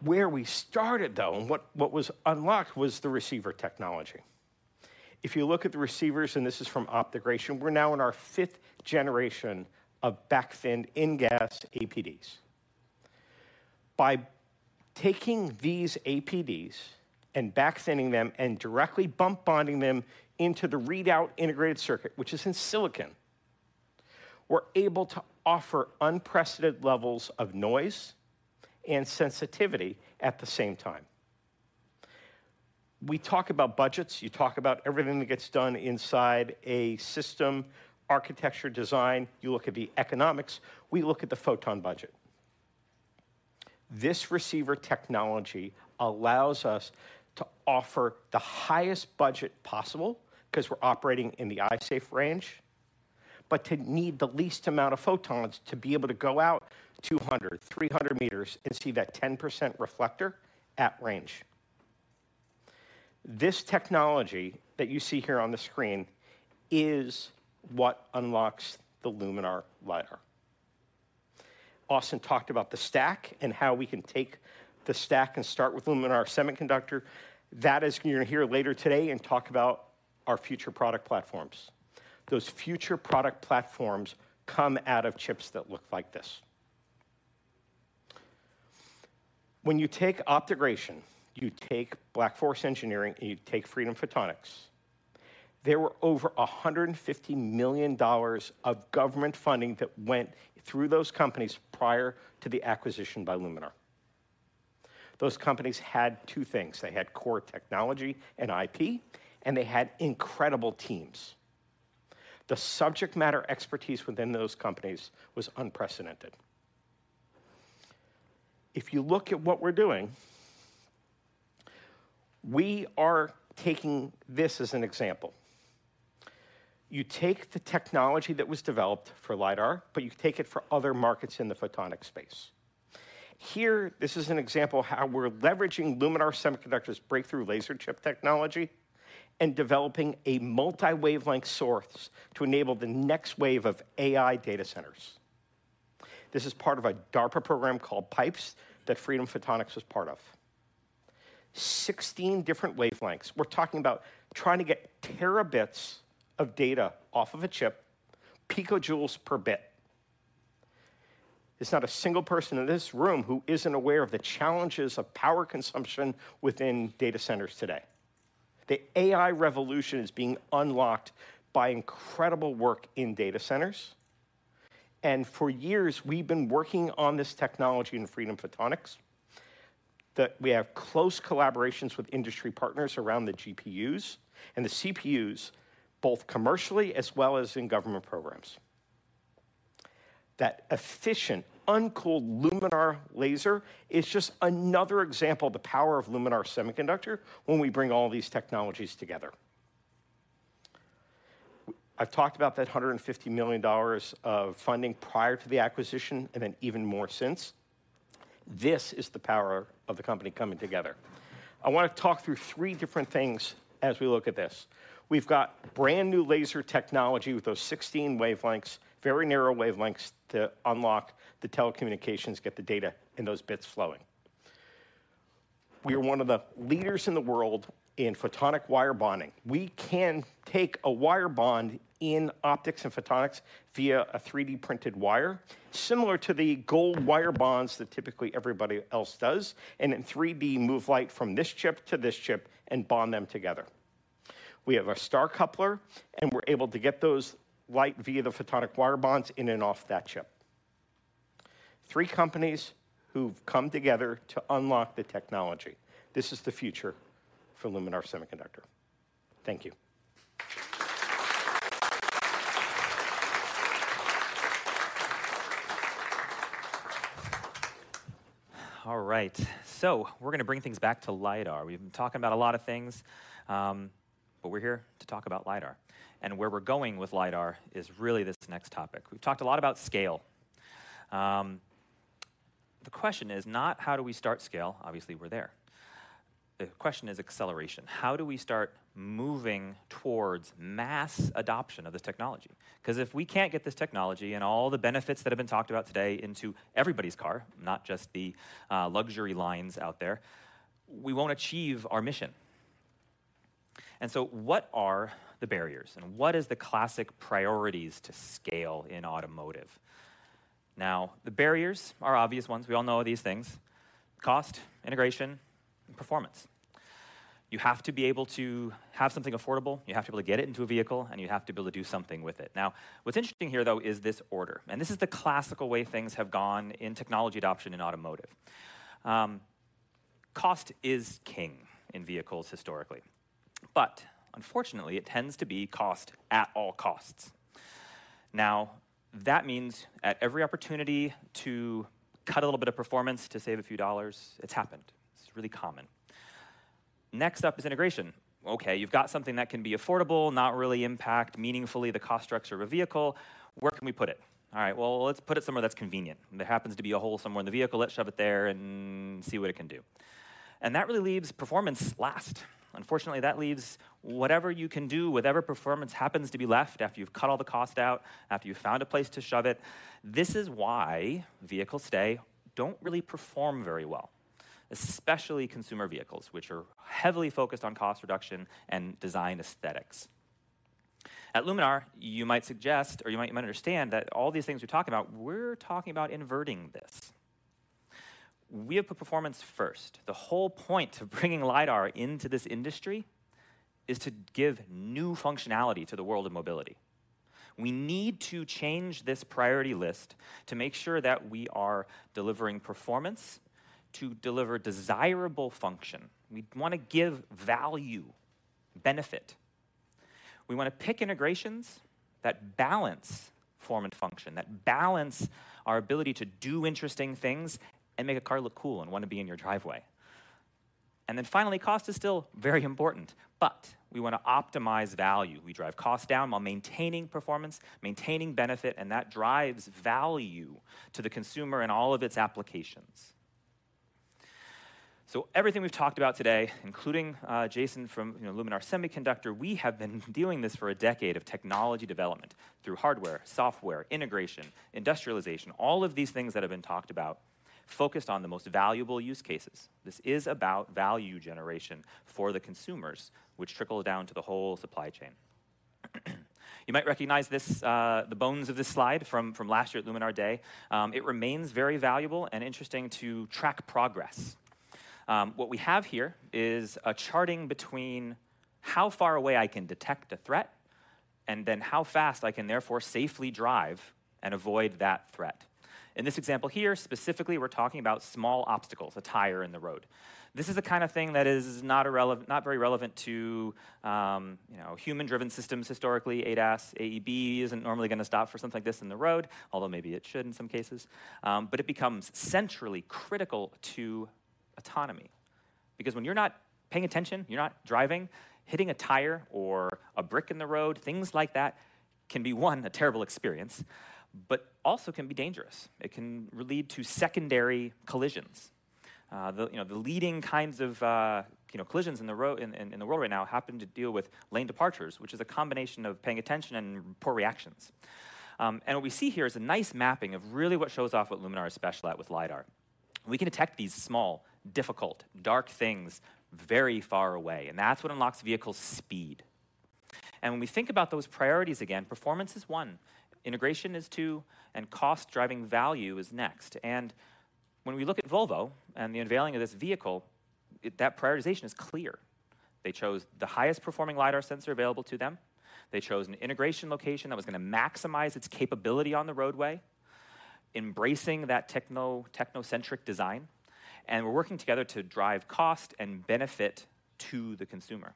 Where we started, though, and what, what was unlocked was the receiver technology. If you look at the receivers, and this is from Optogama, we're now in our fifth generation of back-thinned InGaAs APDs. By taking these APDs and back-thinning them and directly bump bonding them into the readout integrated circuit, which is in silicon, we're able to offer unprecedented levels of noise and sensitivity at the same time. We talk about budgets. You talk about everything that gets done inside a system, architecture, design. You look at the economics, we look at the photon budget. This receiver technology allows us to offer the highest budget possible because we're operating in the eye safe range, but to need the least amount of photons to be able to go out 200, 300 meters and see that 10% reflector at range. This technology that you see here on the screen is what unlocks the Luminar lidar. Austin talked about the stack and how we can take the stack and start with Luminar Semiconductor. That is, you're going to hear later today and talk about our future product platforms. Those future product platforms come out of chips that look like this. When you take Optogama, you take Black Forest Engineering, and you take Freedom Photonics, there were over $150 million of government funding that went through those companies prior to the acquisition by Luminar. Those companies had two things: They had core technology and IP, and they had incredible teams. The subject matter expertise within those companies was unprecedented. If you look at what we're doing, we are taking this as an example. You take the technology that was developed for lidar, but you take it for other markets in the photonic space. Here, this is an example how we're leveraging Luminar Semiconductor's breakthrough laser chip technology and developing a multi-wavelength source to enable the next wave of AI data centers. This is part of a DARPA program called PIPES that Freedom Photonics was part of. 16 different wavelengths. We're talking about trying to get terabits of data off of a chip, picojoules per bit. There's not a single person in this room who isn't aware of the challenges of power consumption within data centers today. The AI revolution is being unlocked by incredible work in data centers, and for years we've been working on this technology in Freedom Photonics, that we have close collaborations with industry partners around the GPUs and the CPUs, both commercially as well as in government programs. That efficient, uncooled Luminar laser is just another example of the power of Luminar Semiconductor when we bring all these technologies together. I've talked about that $150 million of funding prior to the acquisition, and then even more since. This is the power of the company coming together. I want to talk through three different things as we look at this. We've got brand-new laser technology with those 16 wavelengths, very narrow wavelengths, to unlock the telecommunications, get the data and those bits flowing. We are one of the leaders in the world in photonic wire bonding. We can take a wire bond in optics and photonics via a 3D-printed wire, similar to the gold wire bonds that typically everybody else does, and in 3D, move light from this chip to this chip and bond them together. We have our star coupler, and we're able to get those light via the photonic wire bonds in and off that chip. Three companies who've come together to unlock the technology. This is the future for Luminar Semiconductor. Thank you....
All right, so we're gonna bring things back to LiDAR. We've been talking about a lot of things, but we're here to talk about LiDAR, and where we're going with LiDAR is really this next topic. We've talked a lot about scale. The question is not how do we start scale? Obviously, we're there. The question is acceleration. How do we start moving towards mass adoption of this technology? 'Cause if we can't get this technology and all the benefits that have been talked about today into everybody's car, not just the luxury lines out there, we won't achieve our mission. And so what are the barriers, and what is the classic priorities to scale in automotive? Now, the barriers are obvious ones. We all know these things: cost, integration, and performance. You have to be able to have something affordable, you have to be able to get it into a vehicle, and you have to be able to do something with it. Now, what's interesting here, though, is this order, and this is the classical way things have gone in technology adoption in automotive. Cost is king in vehicles historically, but unfortunately, it tends to be cost at all costs. Now, that means at every opportunity to cut a little bit of performance to save a few dollars, it's happened. It's really common. Next up is integration. Okay, you've got something that can be affordable, not really impact meaningfully the cost structure of a vehicle. Where can we put it? All right, well, let's put it somewhere that's convenient. There happens to be a hole somewhere in the vehicle, let's shove it there and see what it can do. That really leaves performance last. Unfortunately, that leaves whatever you can do with whatever performance happens to be left after you've cut all the cost out, after you've found a place to shove it. This is why vehicles today don't really perform very well, especially consumer vehicles, which are heavily focused on cost reduction and design aesthetics. At Luminar, you might suggest or you might, might understand that all these things we're talking about, we're talking about inverting this. We have put performance first. The whole point of bringing lidar into this industry is to give new functionality to the world of mobility. We need to change this priority list to make sure that we are delivering performance, to deliver desirable function. We wanna give value, benefit. We wanna pick integrations that balance form and function, that balance our ability to do interesting things and make a car look cool and wanna be in your driveway. And then finally, cost is still very important, but we wanna optimize value. We drive cost down while maintaining performance, maintaining benefit, and that drives value to the consumer and all of its applications. So everything we've talked about today, including Jason from, you know, Luminar Semiconductor, we have been doing this for a decade of technology development through hardware, software, integration, industrialization, all of these things that have been talked about, focused on the most valuable use cases. This is about value generation for the consumers, which trickle down to the whole supply chain. You might recognize this, the bones of this slide from last year at Luminar Day. It remains very valuable and interesting to track progress. What we have here is a charting between how far away I can detect a threat, and then how fast I can therefore safely drive and avoid that threat. In this example here, specifically, we're talking about small obstacles, a tire in the road. This is the kind of thing that is not very relevant to, you know, human-driven systems historically, ADAS, AEB isn't normally gonna stop for something like this in the road, although maybe it should in some cases. But it becomes centrally critical to autonomy, because when you're not paying attention, you're not driving, hitting a tire or a brick in the road, things like that can be, one, a terrible experience, but also can be dangerous. It can lead to secondary collisions. You know, the leading kinds of, you know, collisions in the world right now happen to deal with lane departures, which is a combination of paying attention and poor reactions. And what we see here is a nice mapping of really what shows off what Luminar is special at with lidar. We can detect these small, difficult, dark things very far away, and that's what unlocks vehicle speed. And when we think about those priorities again, performance is one, integration is two, and cost-driving value is next. And when we look at Volvo and the unveiling of this vehicle, it, that prioritization is clear. They chose the highest performing lidar sensor available to them. They chose an integration location that was gonna maximize its capability on the roadway, embracing that technocentric design, and we're working together to drive cost and benefit to the consumer.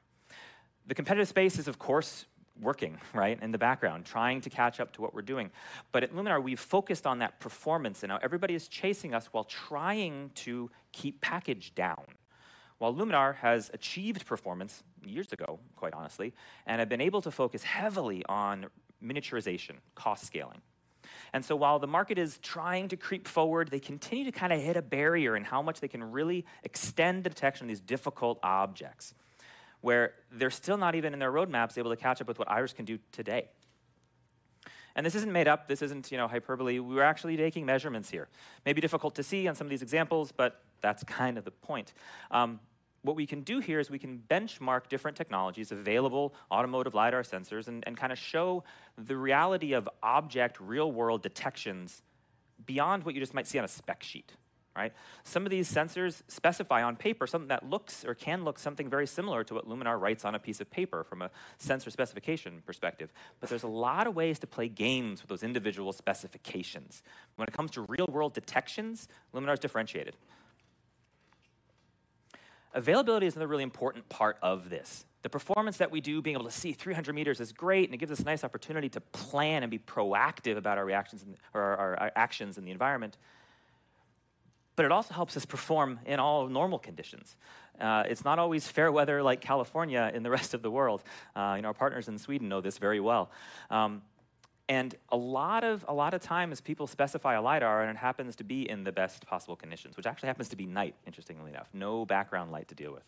The competitive space is, of course, working, right, in the background, trying to catch up to what we're doing. But at Luminar, we've focused on that performance, and now everybody is chasing us while trying to keep package down. While Luminar has achieved performance years ago, quite honestly, and have been able to focus heavily on miniaturization, cost scaling. And so while the market is trying to creep forward, they continue to kind of hit a barrier in how much they can really extend the detection of these difficult objects, where they're still not even in their roadmaps, able to catch up with what Iris can do today. And this isn't made up, this isn't, you know, hyperbole. We're actually taking measurements here. May be difficult to see on some of these examples, but that's kind of the point. What we can do here is we can benchmark different technologies available, automotive lidar sensors, and kind of show the reality of object real-world detections beyond what you just might see on a spec sheet, right? Some of these sensors specify on paper something that looks or can look something very similar to what Luminar writes on a piece of paper from a sensor specification perspective, but there's a lot of ways to play games with those individual specifications. When it comes to real-world detections, Luminar is differentiated.... availability is another really important part of this. The performance that we do, being able to see 300 meters is great, and it gives us a nice opportunity to plan and be proactive about our reactions and our actions in the environment. But it also helps us perform in all normal conditions. It's not always fair weather like California in the rest of the world. And our partners in Sweden know this very well. A lot of times people specify a lidar, and it happens to be in the best possible conditions, which actually happens to be night, interestingly enough, no background light to deal with.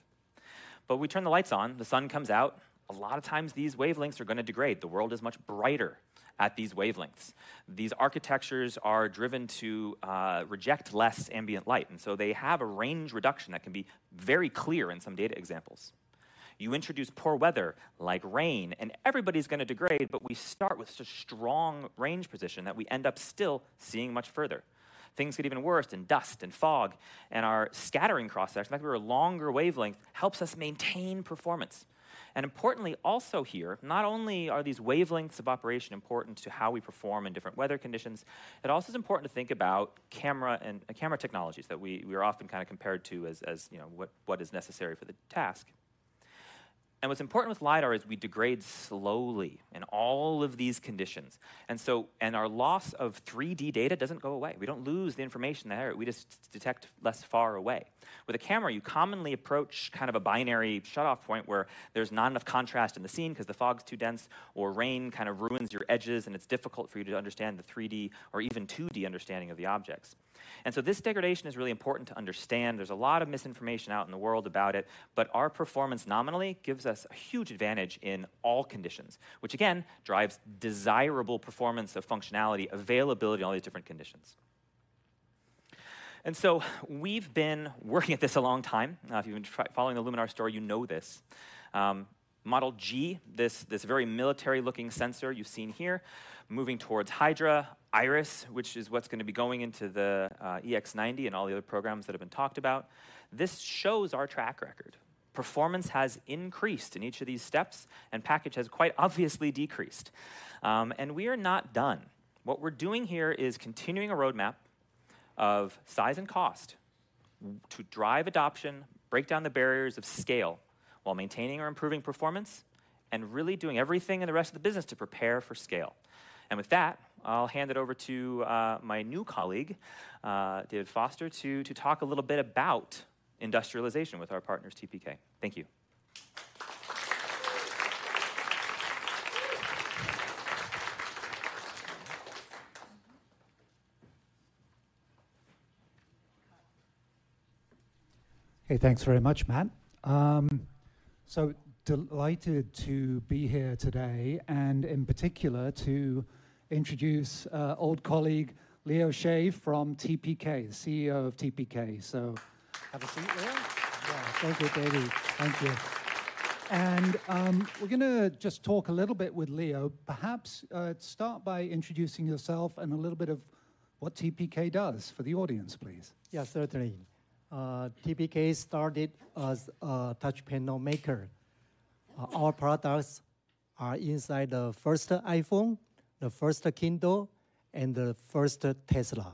But we turn the lights on, the sun comes out, a lot of times these wavelengths are gonna degrade. The world is much brighter at these wavelengths. These architectures are driven to reject less ambient light, and so they have a range reduction that can be very clear in some data examples. You introduce poor weather, like rain, and everybody's gonna degrade, but we start with such strong range position that we end up still seeing much further. Things get even worse in dust and fog, and our scattering cross-section, the fact that we're a longer wavelength, helps us maintain performance. Importantly, also here, not only are these wavelengths of operation important to how we perform in different weather conditions, it also is important to think about camera and camera technologies that we, we're often kind of compared to as, as, you know, what, what is necessary for the task. What's important with lidar is we degrade slowly in all of these conditions, and so and our loss of 3D data doesn't go away. We don't lose the information there, we just detect less far away. With a camera, you commonly approach kind of a binary shutoff point where there's not enough contrast in the scene because the fog's too dense, or rain kind of ruins your edges, and it's difficult for you to understand the 3D or even 2D understanding of the objects. And so this degradation is really important to understand. There's a lot of misinformation out in the world about it, but our performance nominally gives us a huge advantage in all conditions, which again, drives desirable performance of functionality, availability in all these different conditions. And so we've been working at this a long time. Now, if you've been following the Luminar story, you know this. Model G, this very military-looking sensor you've seen here, moving towards Hydra, Iris, which is what's gonna be going into the EX90 and all the other programs that have been talked about. This shows our track record. Performance has increased in each of these steps, and package has quite obviously decreased. And we are not done. What we're doing here is continuing a roadmap of size and cost to drive adoption, break down the barriers of scale, while maintaining or improving performance, and really doing everything in the rest of the business to prepare for scale. And with that, I'll hand it over to my new colleague, David Foster, to talk a little bit about industrialization with our partners, TPK. Thank you.
Hey, thanks very much, Matt. Delighted to be here today, and in particular, to introduce old colleague, Leo Hsieh from TPK, the CEO of TPK. Have a seat, Leo.
Yeah. Thank you, David. Thank you.
We're gonna just talk a little bit with Leo. Perhaps start by introducing yourself and a little bit of what TPK does for the audience, please.
Yeah, certainly. TPK started as a touch panel maker. Our products are inside the first iPhone, the first Kindle, and the first Tesla.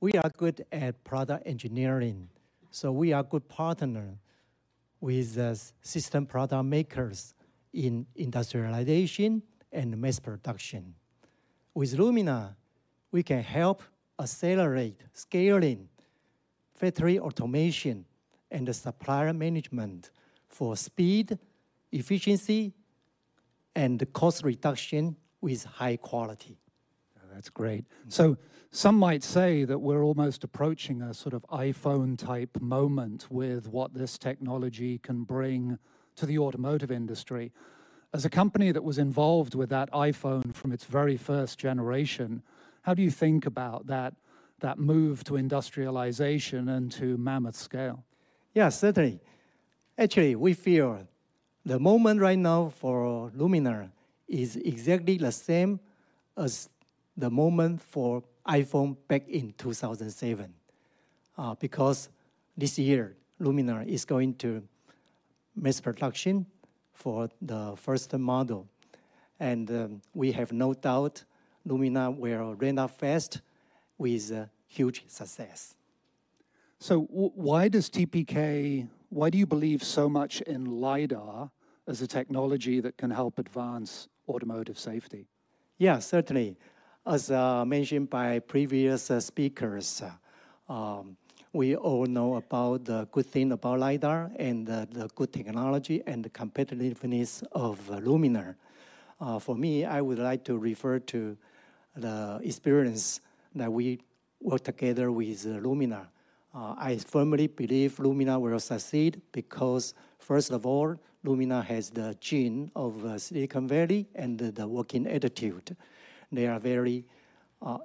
We are good at product engineering, so we are good partner with the system product makers in industrialization and mass production. With Luminar, we can help accelerate scaling, factory automation, and the supplier management for speed, efficiency, and cost reduction with high quality.
That's great. Some might say that we're almost approaching a sort of iPhone-type moment with what this technology can bring to the automotive industry. As a company that was involved with that iPhone from its very first generation, how do you think about that, that move to industrialization and to mammoth scale?
Yeah, certainly. Actually, we feel the moment right now for Luminar is exactly the same as the moment for iPhone back in 2007. Because this year, Luminar is going to mass production for the first model, and we have no doubt Luminar will run out fast with a huge success.
So why does TPK... Why do you believe so much in lidar as a technology that can help advance automotive safety?
Yeah, certainly. As mentioned by previous speakers, we all know about the good thing about lidar and the good technology and the competitiveness of Luminar. For me, I would like to refer to the experience that we work together with Luminar. I firmly believe Luminar will succeed because, first of all, Luminar has the gene of Silicon Valley and the working attitude. They are very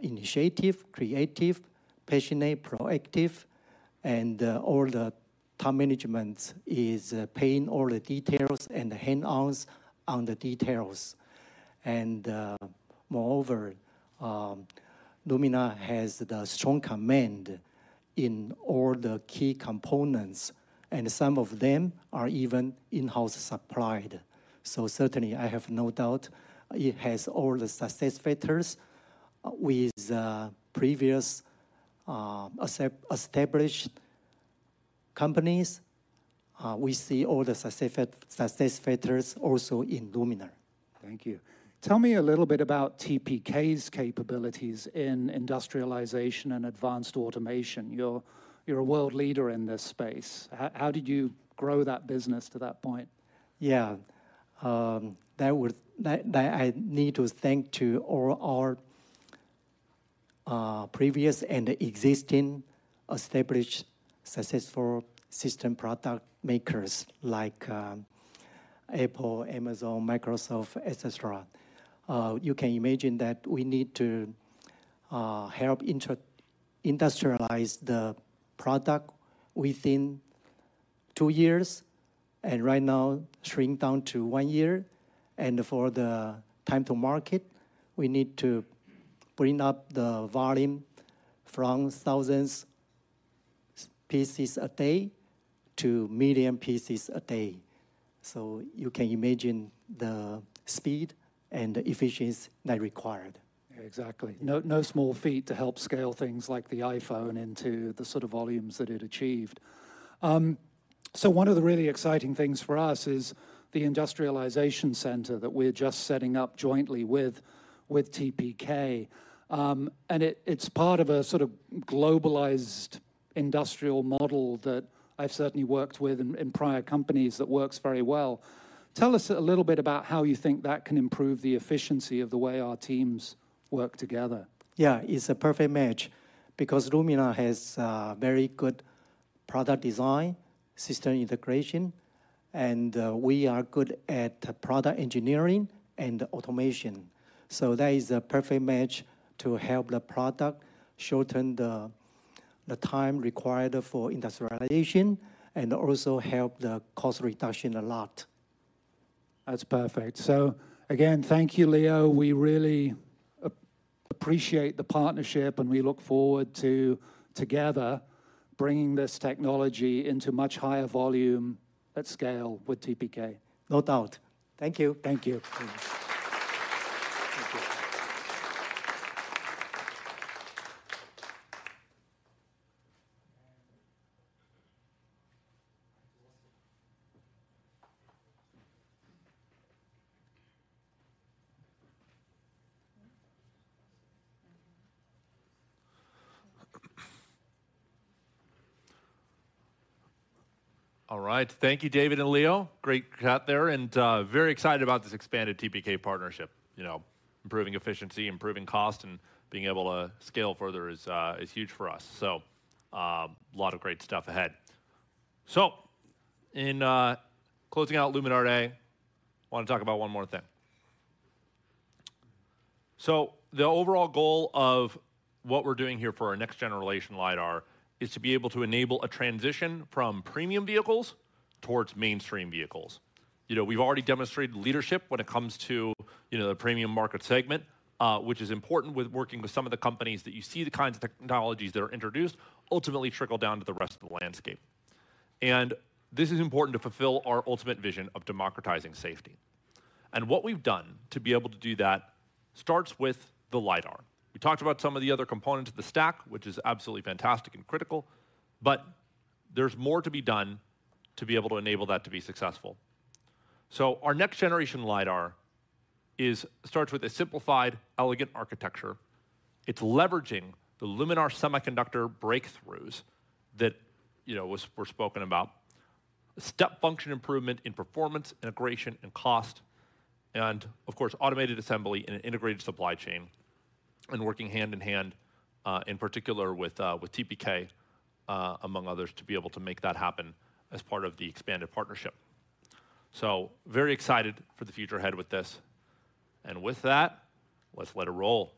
initiative, creative, passionate, proactive, and all the top management is paying all the details and the hands-on on the details. And, moreover, Luminar has the strong command in all the key components, and some of them are even in-house supplied. So certainly, I have no doubt it has all the success factors with previous established companies, we see all the success factors also in Luminar.
Thank you. Tell me a little bit about TPK's capabilities in industrialization and advanced automation. You're a world leader in this space. How did you grow that business to that point?
Yeah. I need to thank to all our previous and existing established successful system product makers like Apple, Amazon, Microsoft, et cetera. You can imagine that we need to help inter-industrialize the product within two years, and right now shrink down to one year. And for the time to market, we need to bring up the volume from thousands pieces a day to million pieces a day. So you can imagine the speed and the efficiency that required.
Exactly. No, no small feat to help scale things like the iPhone into the sort of volumes that it achieved. So one of the really exciting things for us is the industrialization center that we're just setting up jointly with TPK. And it's part of a sort of globalized industrial model that I've certainly worked with in prior companies that works very well. Tell us a little bit about how you think that can improve the efficiency of the way our teams work together.
Yeah, it's a perfect match, because Luminar has very good product design, system integration, and we are good at product engineering and automation. So that is a perfect match to help the product shorten the time required for industrialization, and also help the cost reduction a lot.
That's perfect. So again, thank you, Leo. We really appreciate the partnership, and we look forward to together bringing this technology into much higher volume at scale with TPK.
No doubt. Thank you.
Thank you. Thank you.
All right. Thank you, David and Leo. Great chat there, and very excited about this expanded TPK partnership. You know, improving efficiency, improving cost, and being able to scale further is huge for us. So, a lot of great stuff ahead. So in closing out Luminar Day, I wanna talk about one more thing. So the overall goal of what we're doing here for our next generation lidar is to be able to enable a transition from premium vehicles towards mainstream vehicles. You know, we've already demonstrated leadership when it comes to, you know, the premium market segment, which is important with working with some of the companies that you see the kinds of technologies that are introduced ultimately trickle down to the rest of the landscape. And this is important to fulfill our ultimate vision of democratizing safety. What we've done to be able to do that starts with the lidar. We talked about some of the other components of the stack, which is absolutely fantastic and critical, but there's more to be done to be able to enable that to be successful. So our next generation lidar is... starts with a simplified, elegant architecture. It's leveraging the Luminar semiconductor breakthroughs that, you know, was, were spoken about, step function improvement in performance, integration, and cost, and of course, automated assembly and an integrated supply chain, and working hand in hand, in particular with TPK, among others, to be able to make that happen as part of the expanded partnership. So very excited for the future ahead with this. And with that, let's let it roll.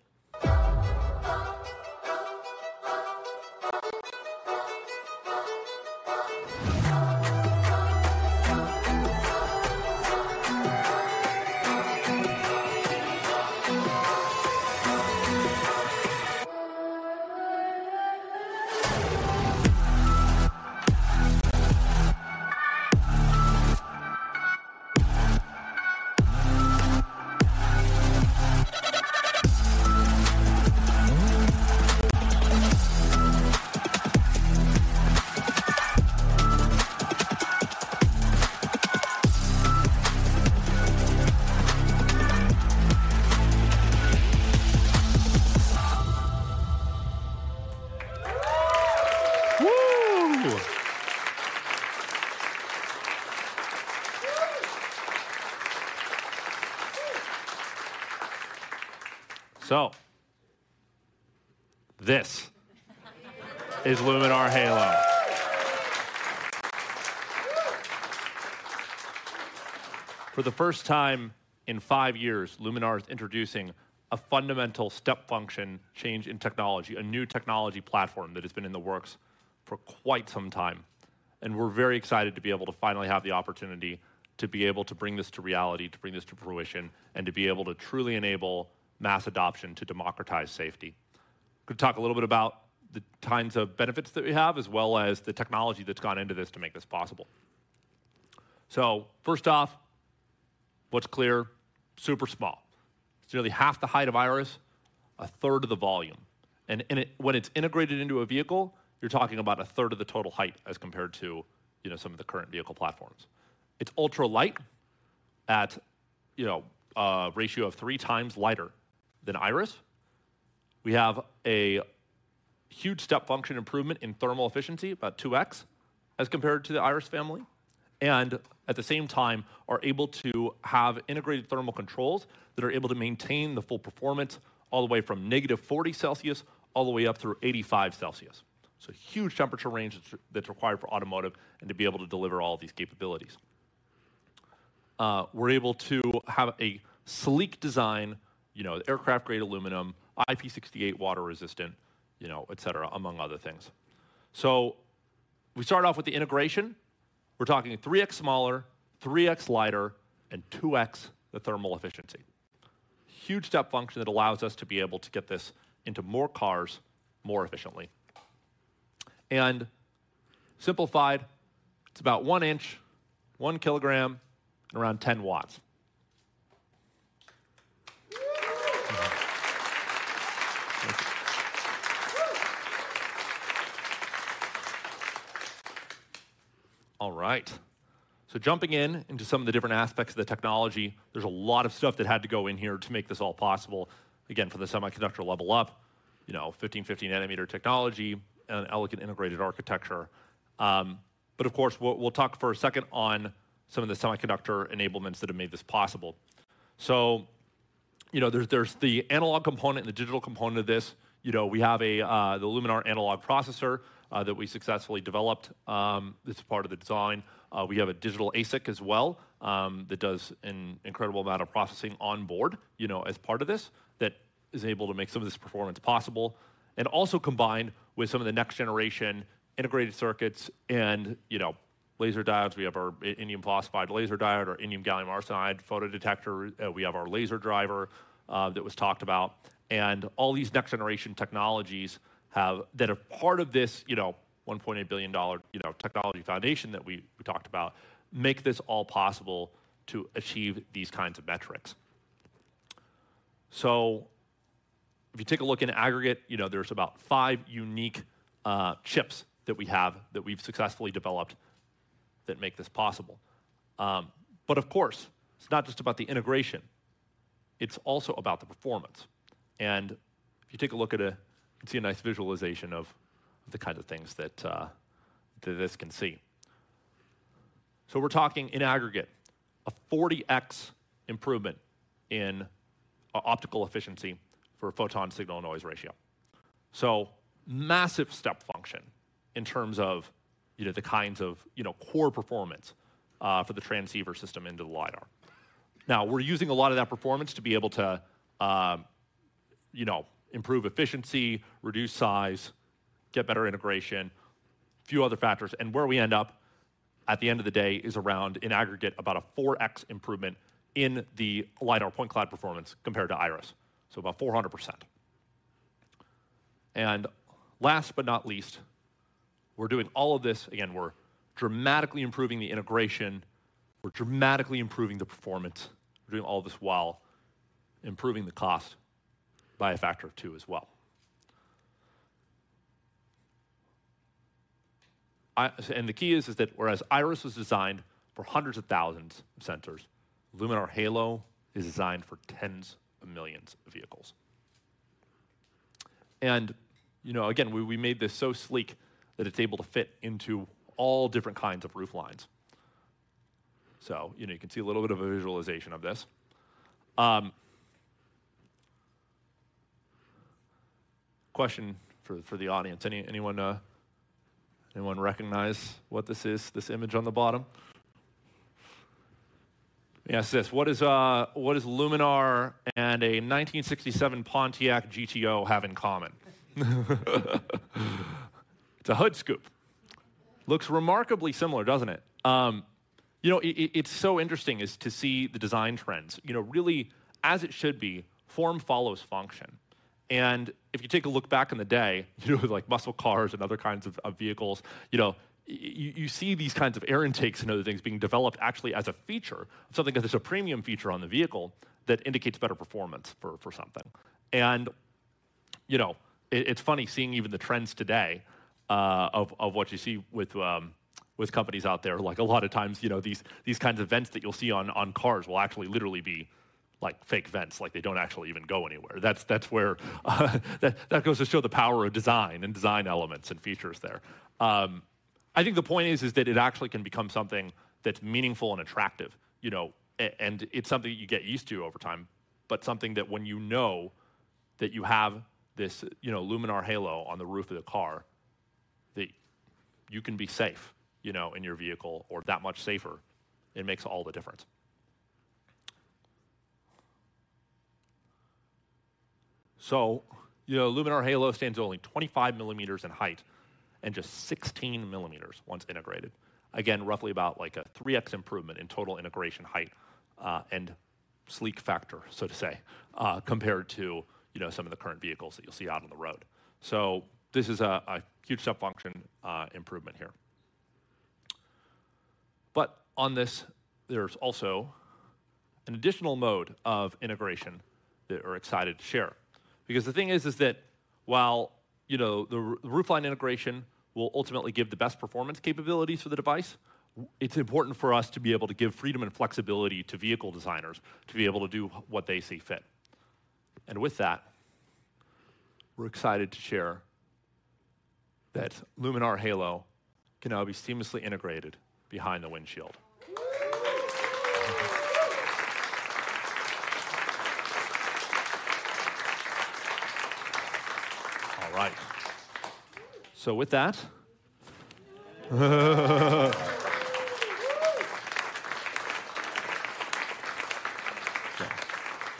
Woo! So this is Luminar Halo. For the first time in 5 years, Luminar is introducing a fundamental step function change in technology, a new technology platform that has been in the works for quite some time. We're very excited to be able to finally have the opportunity to be able to bring this to reality, to bring this to fruition, and to be able to truly enable mass adoption to democratize safety. Gonna talk a little bit about the kinds of benefits that we have, as well as the technology that's gone into this to make this possible.... So first off, what's clear? Super small. It's nearly half the height of Iris, a third of the volume. And it- when it's integrated into a vehicle, you're talking about a third of the total height as compared to, you know, some of the current vehicle platforms. It's ultra light, at, you know, a ratio of three times lighter than Iris. We have a huge step function improvement in thermal efficiency, about 2x, as compared to the Iris family, and at the same time are able to have integrated thermal controls that are able to maintain the full performance all the way from negative 40 degrees Celsius all the way up through 85 degrees Celsius. So huge temperature range that's required for automotive and to be able to deliver all of these capabilities. We're able to have a sleek design, you know, aircraft-grade aluminum, IP68 water resistant, you know, et cetera, among other things. So we start off with the integration. We're talking 3x smaller, 3x lighter, and 2x the thermal efficiency. Huge step function that allows us to be able to get this into more cars, more efficiently. Simplified, it's about one inch, one kilogram, around 10 watts. All right. Jumping in to some of the different aspects of the technology, there's a lot of stuff that had to go in here to make this all possible. Again, for the semiconductor level up, you know, 1550 nanometer technology and an elegant integrated architecture. But of course, we'll talk for a second on some of the semiconductor enablements that have made this possible. So, you know, there's the analog component and the digital component of this. You know, we have the Luminar analog processor that we successfully developed, that's part of the design. We have a digital ASIC as well, that does an incredible amount of processing on board, you know, as part of this, that is able to make some of this performance possible. And also combined with some of the next generation integrated circuits and, you know, laser diodes. We have our indium phosphide laser diode, our indium gallium arsenide photodetector. We have our laser driver that was talked about. And all these next generation technologies that are part of this, you know, $1.8 billion, you know, technology foundation that we talked about make this all possible to achieve these kinds of metrics. So if you take a look in aggregate, you know, there's about five unique chips that we have that we've successfully developed that make this possible. But of course, it's not just about the integration, it's also about the performance. And if you take a look at a... You can see a nice visualization of the kinds of things that that this can see. So we're talking in aggregate, a 40x improvement in optical efficiency for photon signal-to-noise ratio. So massive step function in terms of, you know, the kinds of, you know, core performance for the transceiver system into the lidar. Now, we're using a lot of that performance to be able to, you know, improve efficiency, reduce size, get better integration, a few other factors. And where we end up at the end of the day is around, in aggregate, about a 4x improvement in the lidar point cloud performance compared to Iris. So about 400%. And last but not least, we're doing all of this... Again, we're dramatically improving the integration, we're dramatically improving the performance. We're doing all this while improving the cost by a factor of 2 as well. So the key is that whereas Iris was designed for hundreds of thousands of sensors, Luminar Halo is designed for tens of millions of vehicles. And, you know, again, we made this so sleek that it's able to fit into all different kinds of roof lines. So, you know, you can see a little bit of a visualization of this. Question for the audience. Anyone recognize what this is, this image on the bottom? Let me ask this: What does Luminar and a 1967 Pontiac GTO have in common? It's a hood scoop. Looks remarkably similar, doesn't it? You know, it's so interesting to see the design trends. You know, really, as it should be, form follows function. If you take a look back in the day, you know, like muscle cars and other kinds of vehicles, you know, you see these kinds of air intakes and other things being developed actually as a feature. Something that is a premium feature on the vehicle that indicates better performance for something. You know, it's funny seeing even the trends today, of what you see with companies out there. Like, a lot of times, you know, these kinds of vents that you'll see on cars will actually literally be, like, fake vents. Like, they don't actually even go anywhere. That's where that goes to show the power of design and design elements and features there. I think the point is, is that it actually can become something that's meaningful and attractive, you know, and it's something you get used to over time, but something that when you know that you have this, you know, Luminar Halo on the roof of the car, that you can be safe, you know, in your vehicle, or that much safer, it makes all the difference. So, you know, Luminar Halo stands only 25 millimeters in height and just 16 millimeters once integrated. Again, roughly about, like, a 3x improvement in total integration height and sleek factor, so to say, compared to, you know, some of the current vehicles that you'll see out on the road. So this is a huge step function improvement here. But on this, there's also an additional mode of integration that we're excited to share. Because the thing is, is that while, you know, the roofline integration will ultimately give the best performance capabilities for the device, it's important for us to be able to give freedom and flexibility to vehicle designers to be able to do what they see fit. And with that, we're excited to share that Luminar Halo can now be seamlessly integrated behind the windshield. All right. So with that, we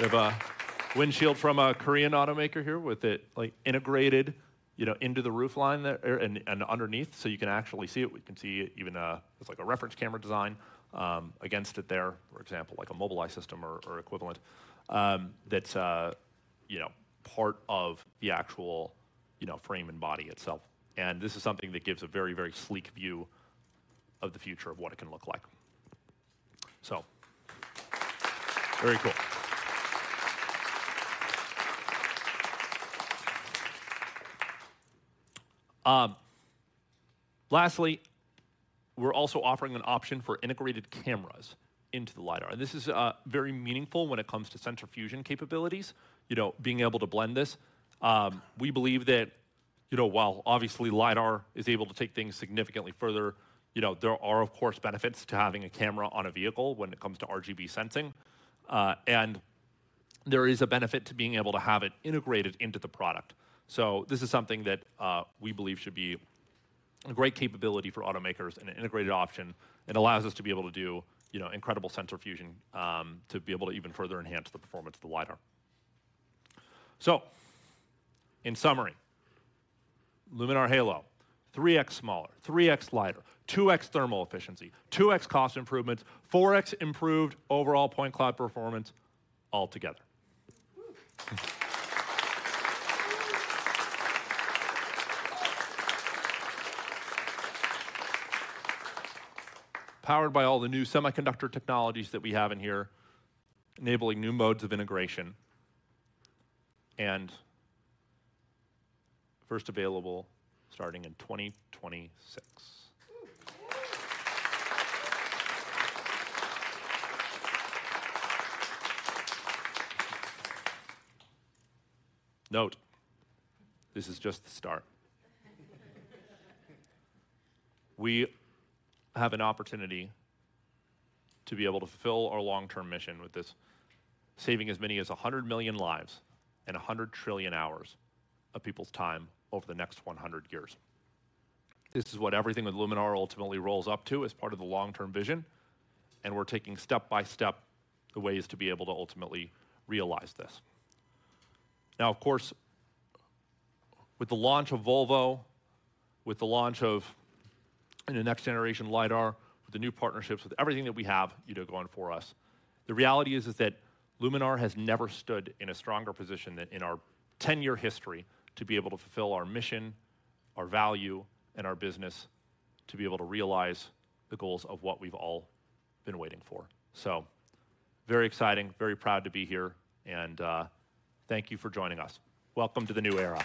have a windshield from a Korean automaker here with it, like, integrated, you know, into the roof line there, and underneath, so you can actually see it. We can see even a, it's like a reference camera design against it there, for example, like a Mobileye system or equivalent, that's, you know, part of the actual, you know, frame and body itself. This is something that gives a very, very sleek view of the future of what it can look like. So, very cool. Lastly, we're also offering an option for integrated cameras into the lidar. This is very meaningful when it comes to sensor fusion capabilities, you know, being able to blend this. We believe that, you know, while obviously lidar is able to take things significantly further, you know, there are, of course, benefits to having a camera on a vehicle when it comes to RGB sensing. There is a benefit to being able to have it integrated into the product. So this is something that, we believe should be a great capability for automakers and an integrated option, and allows us to be able to do, you know, incredible sensor fusion, to be able to even further enhance the performance of the lidar. So in summary, Luminar Halo, 3x smaller, 3x lighter, 2x thermal efficiency, 2x cost improvements, 4x improved overall point cloud performance altogether. Powered by all the new semiconductor technologies that we have in here, enabling new modes of integration, and first available starting in 2026. Note, this is just the start. We have an opportunity to be able to fulfill our long-term mission with this, saving as many as 100 million lives and 100 trillion hours of people's time over the next 100 years. This is what everything with Luminar ultimately rolls up to as part of the long-term vision, and we're taking step by step the ways to be able to ultimately realize this. Now, of course, with the launch of Volvo, with the launch of the next-generation LiDAR, with the new partnerships, with everything that we have, you know, going for us, the reality is, is that Luminar has never stood in a stronger position than in our 10-year history to be able to fulfill our mission, our value, and our business, to be able to realize the goals of what we've all been waiting for. So very exciting. Very proud to be here, and thank you for joining us. Welcome to the new era.